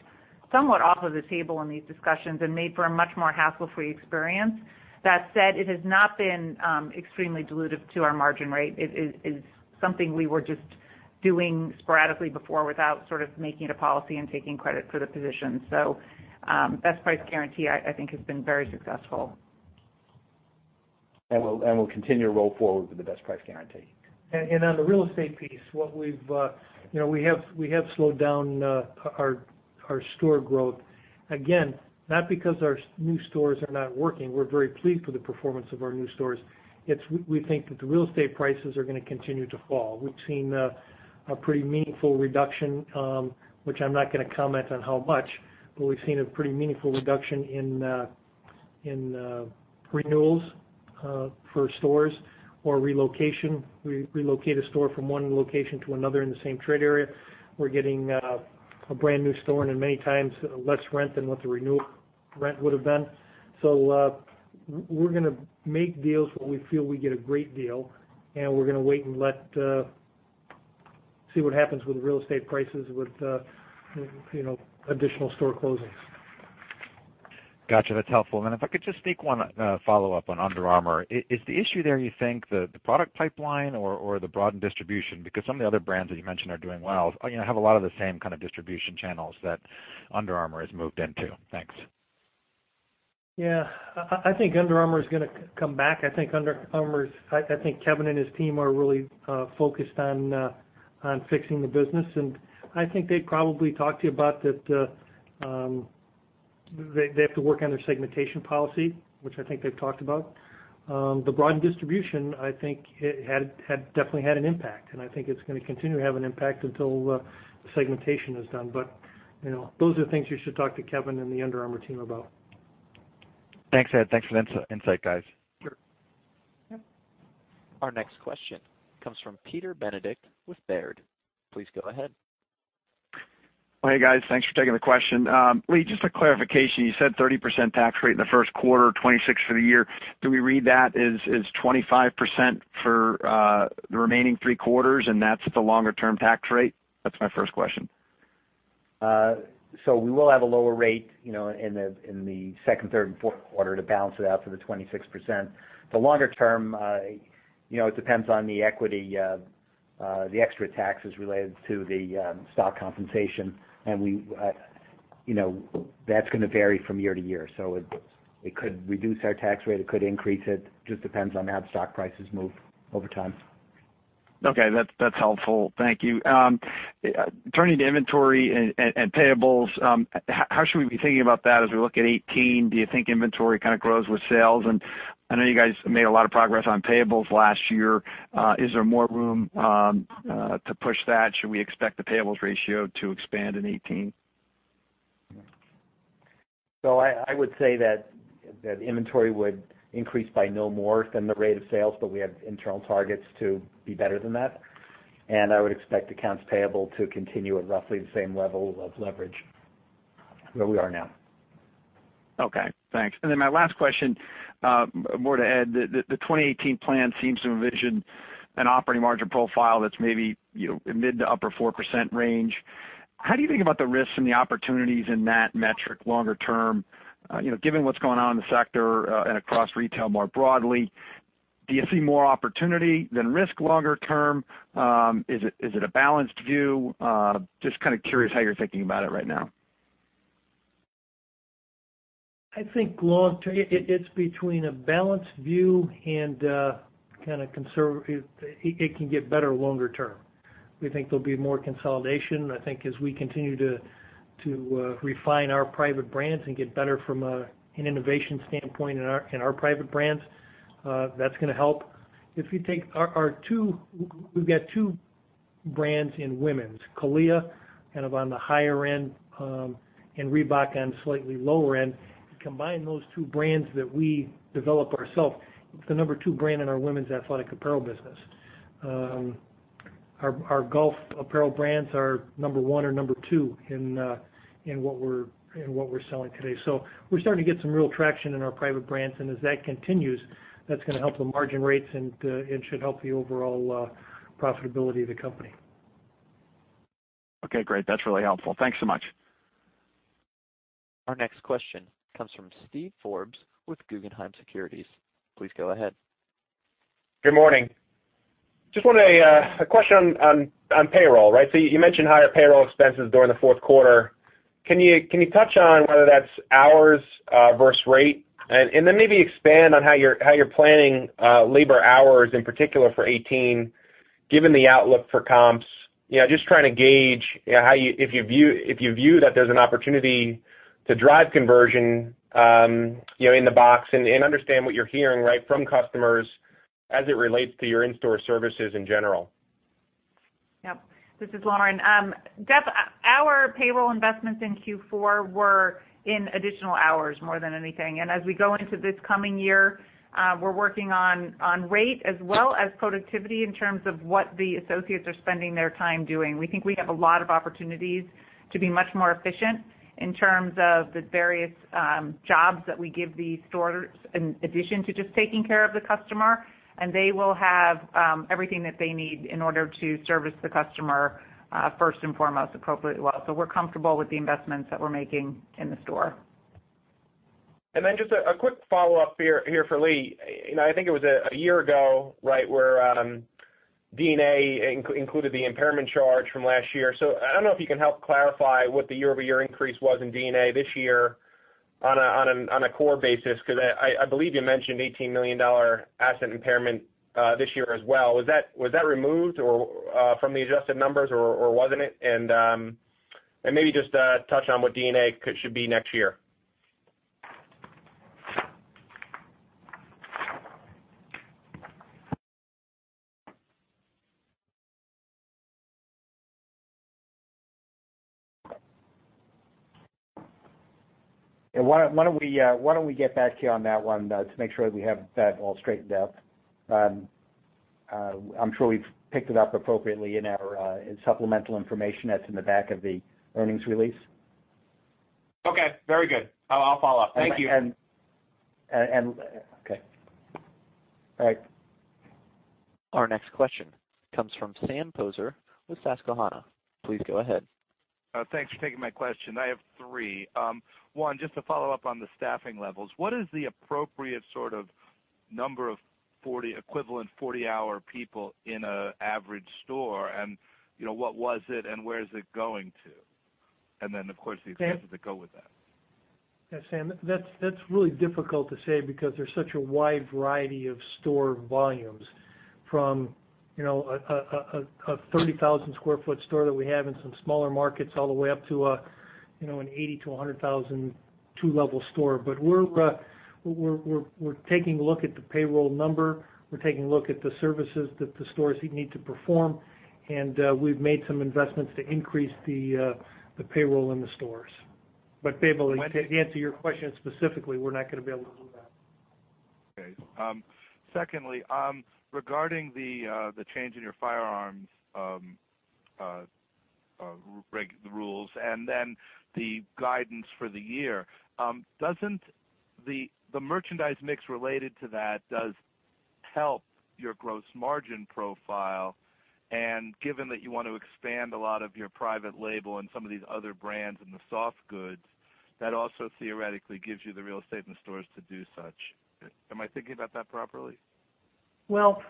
somewhat off of the table in these discussions and made for a much more hassle-free experience. That said, it has not been extremely dilutive to our margin rate. It is something we were just doing sporadically before without sort of making it a policy and taking credit for the position. Best price guarantee, I think, has been very successful. We'll continue to roll forward with the best price guarantee. On the real estate piece, we have slowed down our store growth. Again, not because our new stores are not working. We're very pleased with the performance of our new stores. We think that the real estate prices are going to continue to fall. We've seen a pretty meaningful reduction, which I'm not going to comment on how much, but we've seen a pretty meaningful reduction in renewals for stores or relocation. We relocate a store from one location to another in the same trade area. We're getting a brand new store in, and many times less rent than what the renewal rent would've been. We're going to make deals where we feel we get a great deal, and we're going to wait and see what happens with real estate prices with additional store closings. Got you. That's helpful. If I could just sneak one follow-up on Under Armour. Is the issue there, you think, the product pipeline or the broadened distribution? Because some of the other brands that you mentioned are doing well have a lot of the same kind of distribution channels that Under Armour has moved into. Thanks. Yeah. I think Under Armour is going to come back. I think Kevin and his team are really focused on fixing the business. I think they'd probably talk to you about that they have to work on their segmentation policy, which I think they've talked about. The broadened distribution, I think definitely had an impact, and I think it's going to continue to have an impact until segmentation is done. Those are things you should talk to Kevin and the Under Armour team about. Thanks, Ed. Thanks for the insight, guys. Sure. Our next question comes from Peter Benedict with Baird. Please go ahead. Hey, guys. Thanks for taking the question. Lee, just a clarification. You said 30% tax rate in the first quarter, 26% for the year. Do we read that as 25% for the remaining three quarters, and that's the longer-term tax rate? That's my first question. We will have a lower rate in the second, third, and fourth quarter to balance it out for the 26%. The longer term, it depends on the equity, the extra taxes related to the stock compensation. That's going to vary from year to year. It could reduce our tax rate, it could increase it. Just depends on how the stock prices move over time. Okay. That's helpful. Thank you. Turning to inventory and payables, how should we be thinking about that as we look at 2018? Do you think inventory kind of grows with sales? I know you guys made a lot of progress on payables last year. Is there more room to push that? Should we expect the payables ratio to expand in 2018? I would say that inventory would increase by no more than the rate of sales, but we have internal targets to be better than that. I would expect accounts payable to continue at roughly the same level of leverage where we are now. Okay, thanks. My last question, more to Ed. The 2018 plan seems to envision an operating margin profile that's maybe mid to upper 4% range. How do you think about the risks and the opportunities in that metric longer term? Given what's going on in the sector and across retail more broadly, do you see more opportunity than risk longer term? Is it a balanced view? Just kind of curious how you're thinking about it right now. I think long term, it's between a balanced view and it can get better longer term. We think there'll be more consolidation. I think as we continue to refine our private brands and get better from an innovation standpoint in our private brands, that's going to help. We've got two brands in women's. CALIA, kind of on the higher end, and Reebok on the slightly lower end. Combine those two brands that we develop ourself, it's the number 2 brand in our women's athletic apparel business. Our golf apparel brands are number 1 or number 2 in what we're selling today. We're starting to get some real traction in our private brands. As that continues, that's going to help the margin rates and should help the overall profitability of the company. Okay, great. That's really helpful. Thanks so much. Our next question comes from Steve Forbes with Guggenheim Securities. Please go ahead. Good morning. Just a question on payroll. You mentioned higher payroll expenses during the fourth quarter. Can you touch on whether that's hours versus rate? Then maybe expand on how you're planning labor hours, in particular for 2018, given the outlook for comps. Just trying to gauge if you view that there's an opportunity to drive conversion in the box and understand what you're hearing from customers as it relates to your in-store services in general. Yep. This is Lauren. Jeff, our payroll investments in Q4 were in additional hours more than anything. As we go into this coming year, we're working on rate as well as productivity in terms of what the associates are spending their time doing. We think we have a lot of opportunities to be much more efficient in terms of the various jobs that we give the stores in addition to just taking care of the customer. They will have everything that they need in order to service the customer first and foremost appropriately well. We're comfortable with the investments that we're making in the store. Just a quick follow-up here for Lee. I think it was a year ago where D&A included the impairment charge from last year. I don't know if you can help clarify what the year-over-year increase was in D&A this year on a core basis, because I believe you mentioned $18 million asset impairment this year as well. Was that removed from the adjusted numbers or wasn't it? Maybe just touch on what D&A should be next year. Why don't we get back to you on that one to make sure that we have that all straightened out. I'm sure we've picked it up appropriately in supplemental information that's in the back of the earnings release. Okay. Very good. I'll follow up. Thank you. Okay. Our next question comes from Sam Poser with Susquehanna. Please go ahead. Thanks for taking my question. I have three. One, just to follow up on the staffing levels, what is the appropriate sort of number of equivalent 40-hour people in an average store and what was it, and where is it going to? Of course, the expenses that go with that. Yeah, Sam, that's really difficult to say because there's such a wide variety of store volumes from a 30,000 square foot store that we have in some smaller markets, all the way up to an 80 to 100,000 two-level store. We're taking a look at the payroll number. We're taking a look at the services that the stores need to perform, and we've made some investments to increase the payroll in the stores. To be able to answer your question specifically, we're not going to be able to do that. Okay. Secondly, regarding the change in your firearms rules, the guidance for the year. Doesn't the merchandise mix related to that does help your gross margin profile? Given that you want to expand a lot of your private label and some of these other brands in the soft goods, that also theoretically gives you the real estate in the stores to do such. Am I thinking about that properly? Well,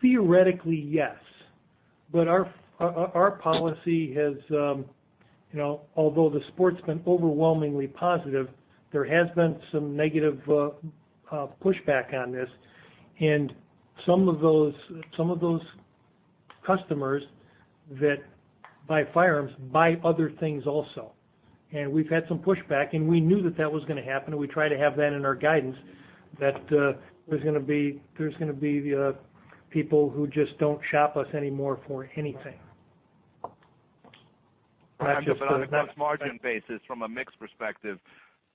theoretically, yes. Our policy, although the sport's been overwhelmingly positive, there has been some negative pushback on this. Some of those customers that buy firearms buy other things also. We've had some pushback, and we knew that that was going to happen, and we try to have that in our guidance, that there's going to be people who just don't shop us anymore for anything. On a gross margin basis, from a mix perspective,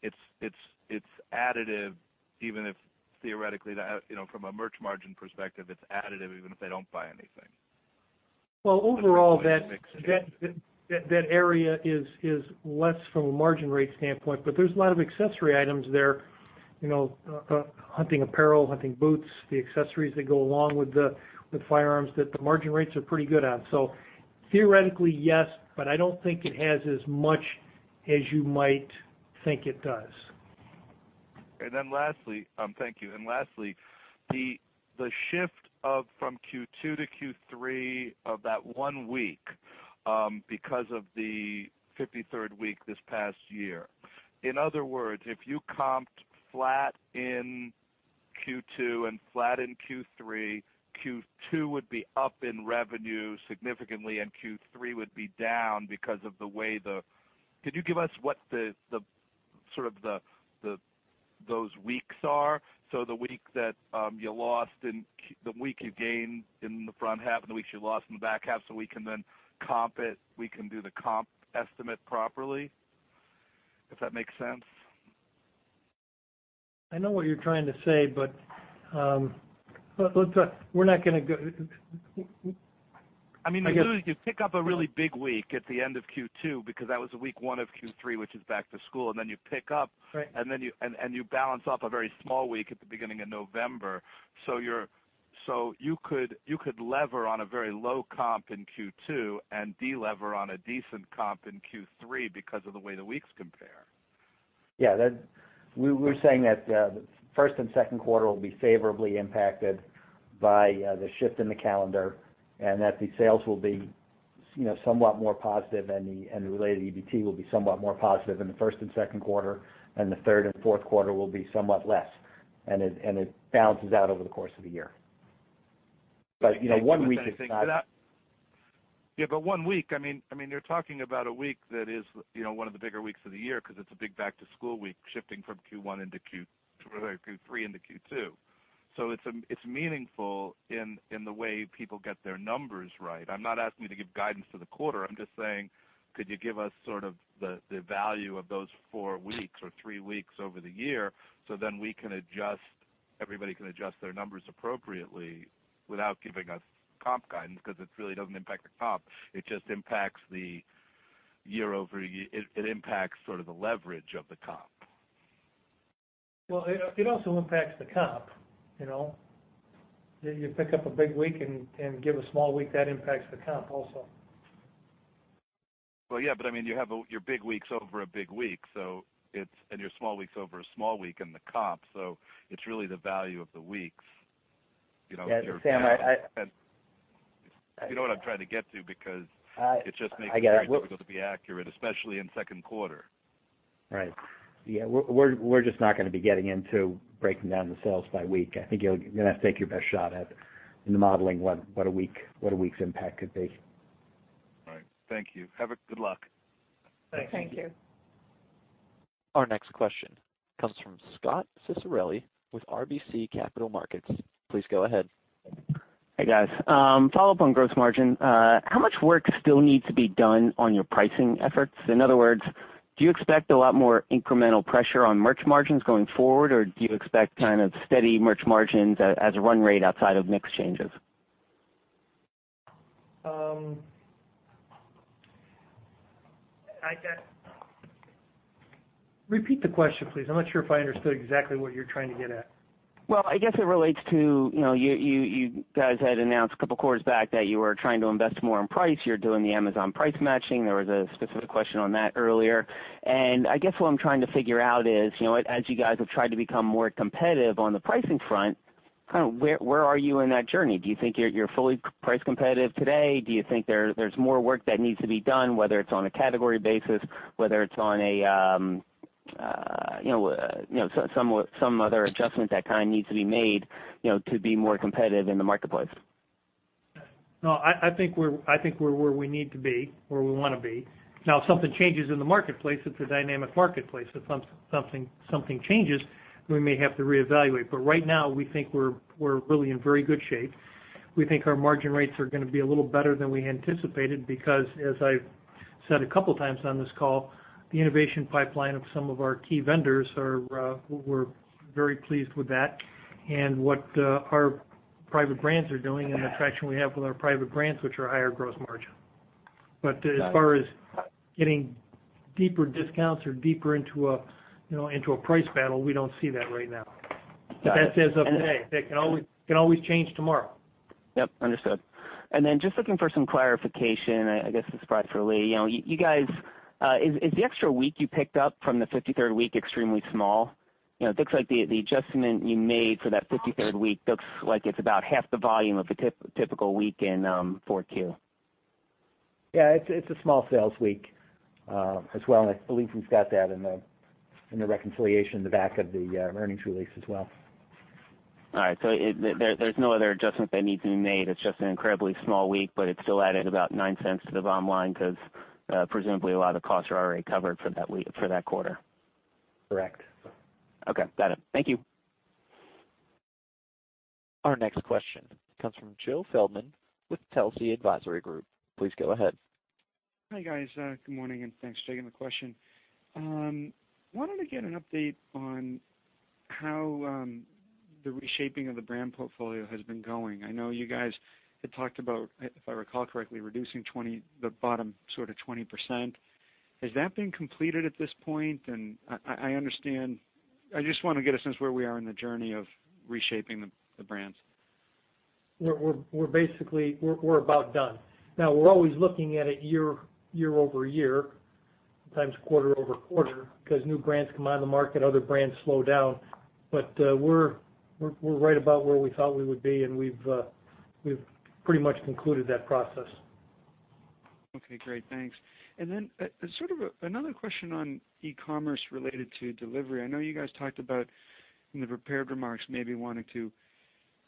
it's additive, even if theoretically, from a merch margin perspective, it's additive, even if they don't buy anything. Overall that area is less from a margin rate standpoint, but there's a lot of accessory items there, hunting apparel, hunting boots, the accessories that go along with the firearms that the margin rates are pretty good on. Theoretically, yes, but I don't think it has as much as you might think it does. Thank you. Lastly, the shift from Q2 to Q3 of that one week because of the 53rd week this past year. In other words, if you comped flat in Q2 and flat in Q3, Q2 would be up in revenue significantly, and Q3 would be down. Can you give us what those weeks are? The week you gained in the front half and the weeks you lost in the back half, so we can then comp it, we can do the comp estimate properly. If that makes sense. I know what you're trying to say. You pick up a really big week at the end of Q2 because that was week one of Q3, which is back to school, and then you pick up. Right. You balance off a very small week at the beginning of November. You could lever on a very low comp in Q2 and de-lever on a decent comp in Q3 because of the way the weeks compare. We were saying that first and second quarter will be favorably impacted by the shift in the calendar, and that the sales will be somewhat more positive and the related EBT will be somewhat more positive in the first and second quarter, and the third and fourth quarter will be somewhat less. It balances out over the course of a year. One week is not. One week, you're talking about a week that is one of the bigger weeks of the year because it's a big back-to-school week shifting from Q3 into Q2. It's meaningful in the way people get their numbers right. I'm not asking you to give guidance for the quarter. I'm just saying, could you give us sort of the value of those four weeks or three weeks over the year then everybody can adjust their numbers appropriately without giving us comp guidance because it really doesn't impact the comp. It just impacts the year-over-year. It impacts sort of the leverage of the comp. Well, it also impacts the comp. You pick up a big week and give a small week. That impacts the comp also. Well, yeah, but you have your big weeks over a big week, and your small weeks over a small week and the comp, so it's really the value of the weeks. Yeah. Sam. You know what I'm trying to get to. I get it it just makes it very difficult to be accurate, especially in second quarter. Right. Yeah. We're just not going to be getting into breaking down the sales by week. I think you'll going to have to take your best shot at it in the modeling, what a week's impact could be. All right. Thank you. Good luck. Thank you. Our next question comes from Scot Ciccarelli with RBC Capital Markets. Please go ahead. Hey, guys. Follow-up on gross margin. How much work still needs to be done on your pricing efforts? In other words, do you expect a lot more incremental pressure on merch margins going forward, or do you expect kind of steady merch margins as a run rate outside of mix changes? Repeat the question, please. I'm not sure if I understood exactly what you're trying to get at. Well, I guess it relates to, you guys had announced a couple of quarters back that you were trying to invest more in price. You're doing the Amazon price matching. There was a specific question on that earlier. I guess what I'm trying to figure out is, as you guys have tried to become more competitive on the pricing front, where are you in that journey? Do you think you're fully price competitive today? Do you think there's more work that needs to be done, whether it's on a category basis, whether it's on some other adjustment that needs to be made to be more competitive in the marketplace? No, I think we're where we need to be, where we want to be. Now, if something changes in the marketplace, it's a dynamic marketplace. If something changes, we may have to reevaluate. Right now, we think we're really in very good shape. We think our margin rates are going to be a little better than we anticipated because, as I've said a couple of times on this call, the innovation pipeline of some of our key vendors, we're very pleased with that and what our private brands are doing and the traction we have with our private brands, which are higher gross margin. As far as getting deeper discounts or deeper into a price battle, we don't see that right now. Got it. That's as of today. That can always change tomorrow. Yep, understood. Then just looking for some clarification, I guess this is probably for Lee. You guys, is the extra week you picked up from the 53rd week extremely small? It looks like the adjustment you made for that 53rd week looks like it's about half the volume of a typical week in 4Q. Yeah, it's a small sales week as well. I believe we've got that in the reconciliation in the back of the earnings release as well. All right. There's no other adjustment that needs to be made. It's just an incredibly small week. It still added about $0.09 to the bottom line because presumably a lot of the costs are already covered for that quarter. Correct. Okay, got it. Thank you. Our next question comes from Joe Feldman with Telsey Advisory Group. Please go ahead. Hi, guys. Good morning, and thanks for taking the question. I wanted to get an update on how the reshaping of the brand portfolio has been going. I know you guys had talked about, if I recall correctly, reducing the bottom sort of 20%. Has that been completed at this point? I just want to get a sense where we are in the journey of reshaping the brands. We're about done. Now, we're always looking at it year-over-year, times quarter-over-quarter, because new brands come out of the market, other brands slow down. We're right about where we thought we would be, and we've pretty much concluded that process. Okay, great. Thanks. Then sort of another question on e-commerce related to delivery. I know you guys talked about, in the prepared remarks, maybe wanting to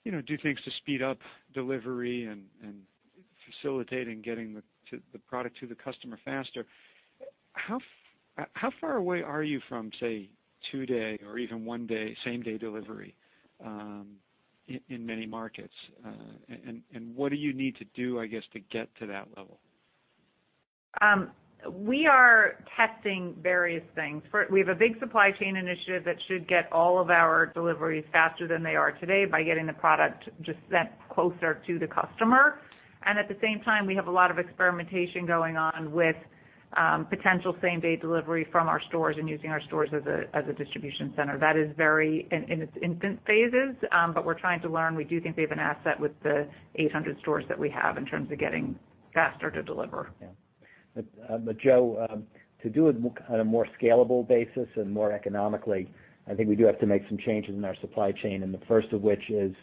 do things to speed up delivery and facilitating getting the product to the customer faster. How far away are you from, say, two-day or even one-day, same-day delivery in many markets? What do you need to do, I guess, to get to that level? We are testing various things. We have a big supply chain initiative that should get all of our deliveries faster than they are today by getting the product just sent closer to the customer. At the same time, we have a lot of experimentation going on with potential same-day delivery from our stores and using our stores as a distribution center. That is very in its infant phases, but we're trying to learn. We do think we have an asset with the 800 stores that we have in terms of getting faster to deliver. Yeah. Joe, to do it on a more scalable basis and more economically, I think we do have to make some changes in our supply chain, the first of which is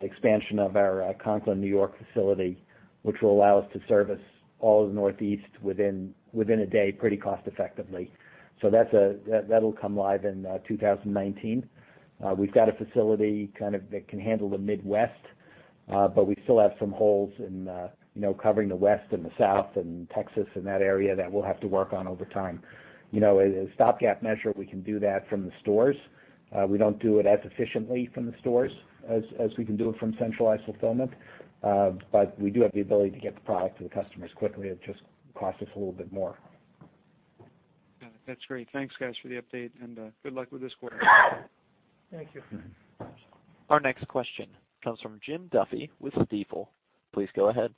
expansion of our Conklin, N.Y. facility, which will allow us to service all of the Northeast within a day pretty cost effectively. That'll come live in 2019. We've got a facility that can handle the Midwest, we still have some holes in covering the West and the South and Texas and that area that we'll have to work on over time. As a stopgap measure, we can do that from the stores. We don't do it as efficiently from the stores as we can do it from centralized fulfillment, we do have the ability to get the product to the customers quickly. It just costs us a little bit more. Got it. That's great. Thanks, guys, for the update and good luck with this quarter. Thank you. Our next question comes from Jim Duffy with Stifel. Please go ahead.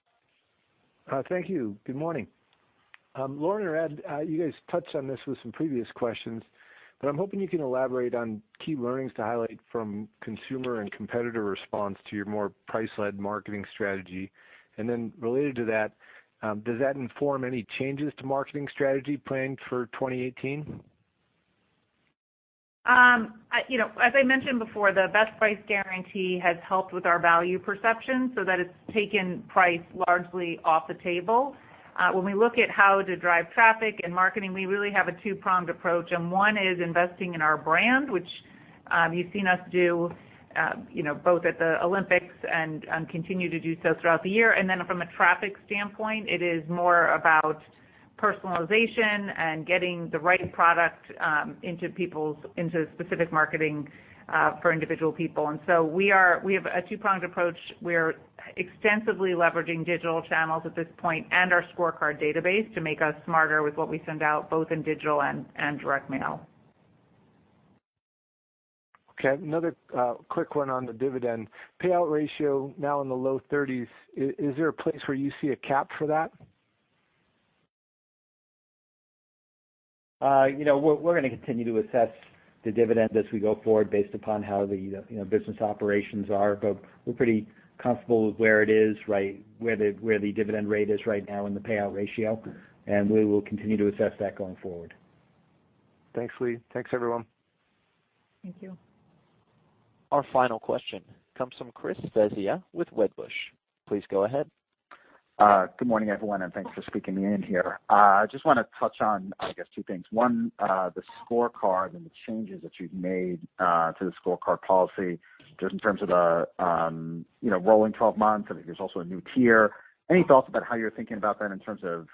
Thank you. Good morning. Lauren or Ed, you guys touched on this with some previous questions, but I'm hoping you can elaborate on key learnings to highlight from consumer and competitor response to your more price-led marketing strategy. Then related to that, does that inform any changes to marketing strategy planning for 2018? As I mentioned before, the best price guarantee has helped with our value perception, so that it's taken price largely off the table. When we look at how to drive traffic and marketing, we really have a two-pronged approach, and one is investing in our brand, which you've seen us do both at the Olympics and continue to do so throughout the year. Then from a traffic standpoint, it is more about personalization and getting the right product into specific marketing for individual people. So we have a two-pronged approach. We're extensively leveraging digital channels at this point and our scorecard database to make us smarter with what we send out, both in digital and direct mail. Okay. Another quick one on the dividend. Payout ratio now in the low 30s, is there a place where you see a cap for that? We're going to continue to assess the dividend as we go forward based upon how the business operations are. We're pretty comfortable with where the dividend rate is right now and the payout ratio. We will continue to assess that going forward. Thanks, Lee. Thanks, everyone. Thank you. Our final question comes from Christopher Svezia with Wedbush. Please go ahead. Good morning, everyone, and thanks for squeezing me in here. I just want to touch on, I guess, two things. One, the scorecard and the changes that you've made to the scorecard policy, just in terms of the rolling 12 months, and I think there's also a new tier. Any thoughts about how you're thinking about that in terms of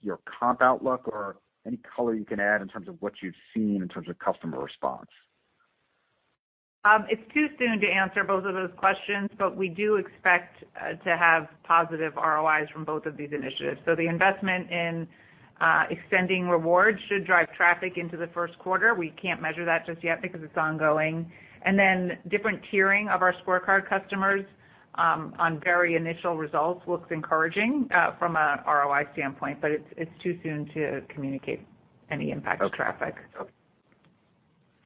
your comp outlook or any color you can add in terms of what you've seen in terms of customer response? It's too soon to answer both of those questions. We do expect to have positive ROIs from both of these initiatives. The investment in extending rewards should drive traffic into the first quarter. We can't measure that just yet because it's ongoing. Different tiering of our scorecard customers on very initial results looks encouraging from an ROI standpoint, but it's too soon to communicate any impact to traffic. Okay.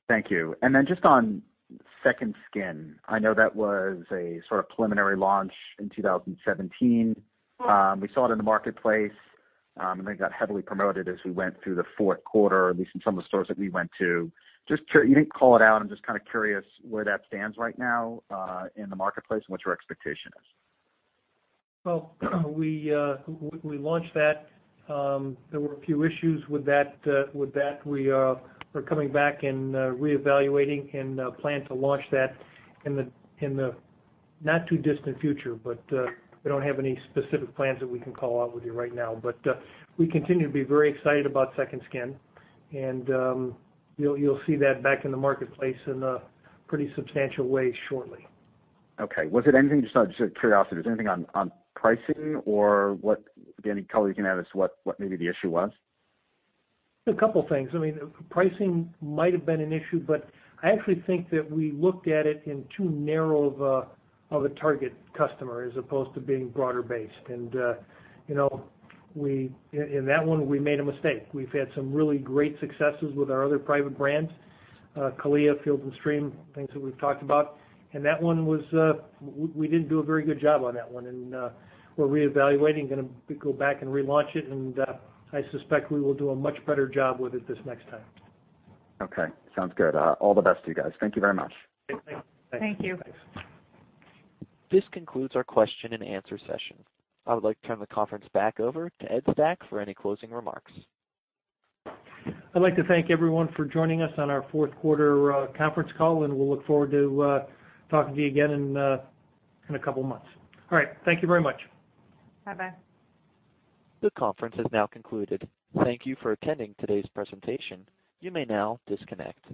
Thank you. Just on Second Skin, I know that was a sort of preliminary launch in 2017. We saw it in the marketplace, and they got heavily promoted as we went through the fourth quarter, at least in some of the stores that we went to. You didn't call it out, I'm just kind of curious where that stands right now in the marketplace and what your expectation is. Well, we launched that. There were a few issues with that. We are coming back and reevaluating and plan to launch that in the not-too-distant future. We don't have any specific plans that we can call out with you right now. We continue to be very excited about Second Skin. You'll see that back in the marketplace in a pretty substantial way shortly. Okay. Just out of curiosity, is there anything on pricing or any color you can add as to what maybe the issue was? A couple of things. Pricing might have been an issue, but I actually think that we looked at it in too narrow of a target customer as opposed to being broader based. In that one, we made a mistake. We've had some really great successes with our other private brands, CALIA, Field & Stream, things that we've talked about. We didn't do a very good job on that one, and we're reevaluating, going to go back and relaunch it, and I suspect we will do a much better job with it this next time. Okay. Sounds good. All the best to you guys. Thank you very much. Thanks. Thank you. Thanks. This concludes our question and answer session. I would like to turn the conference back over to Ed Stack for any closing remarks. I'd like to thank everyone for joining us on our fourth quarter conference call, and we'll look forward to talking to you again in a couple of months. All right. Thank you very much. Bye-bye. The conference has now concluded. Thank you for attending today's presentation. You may now disconnect.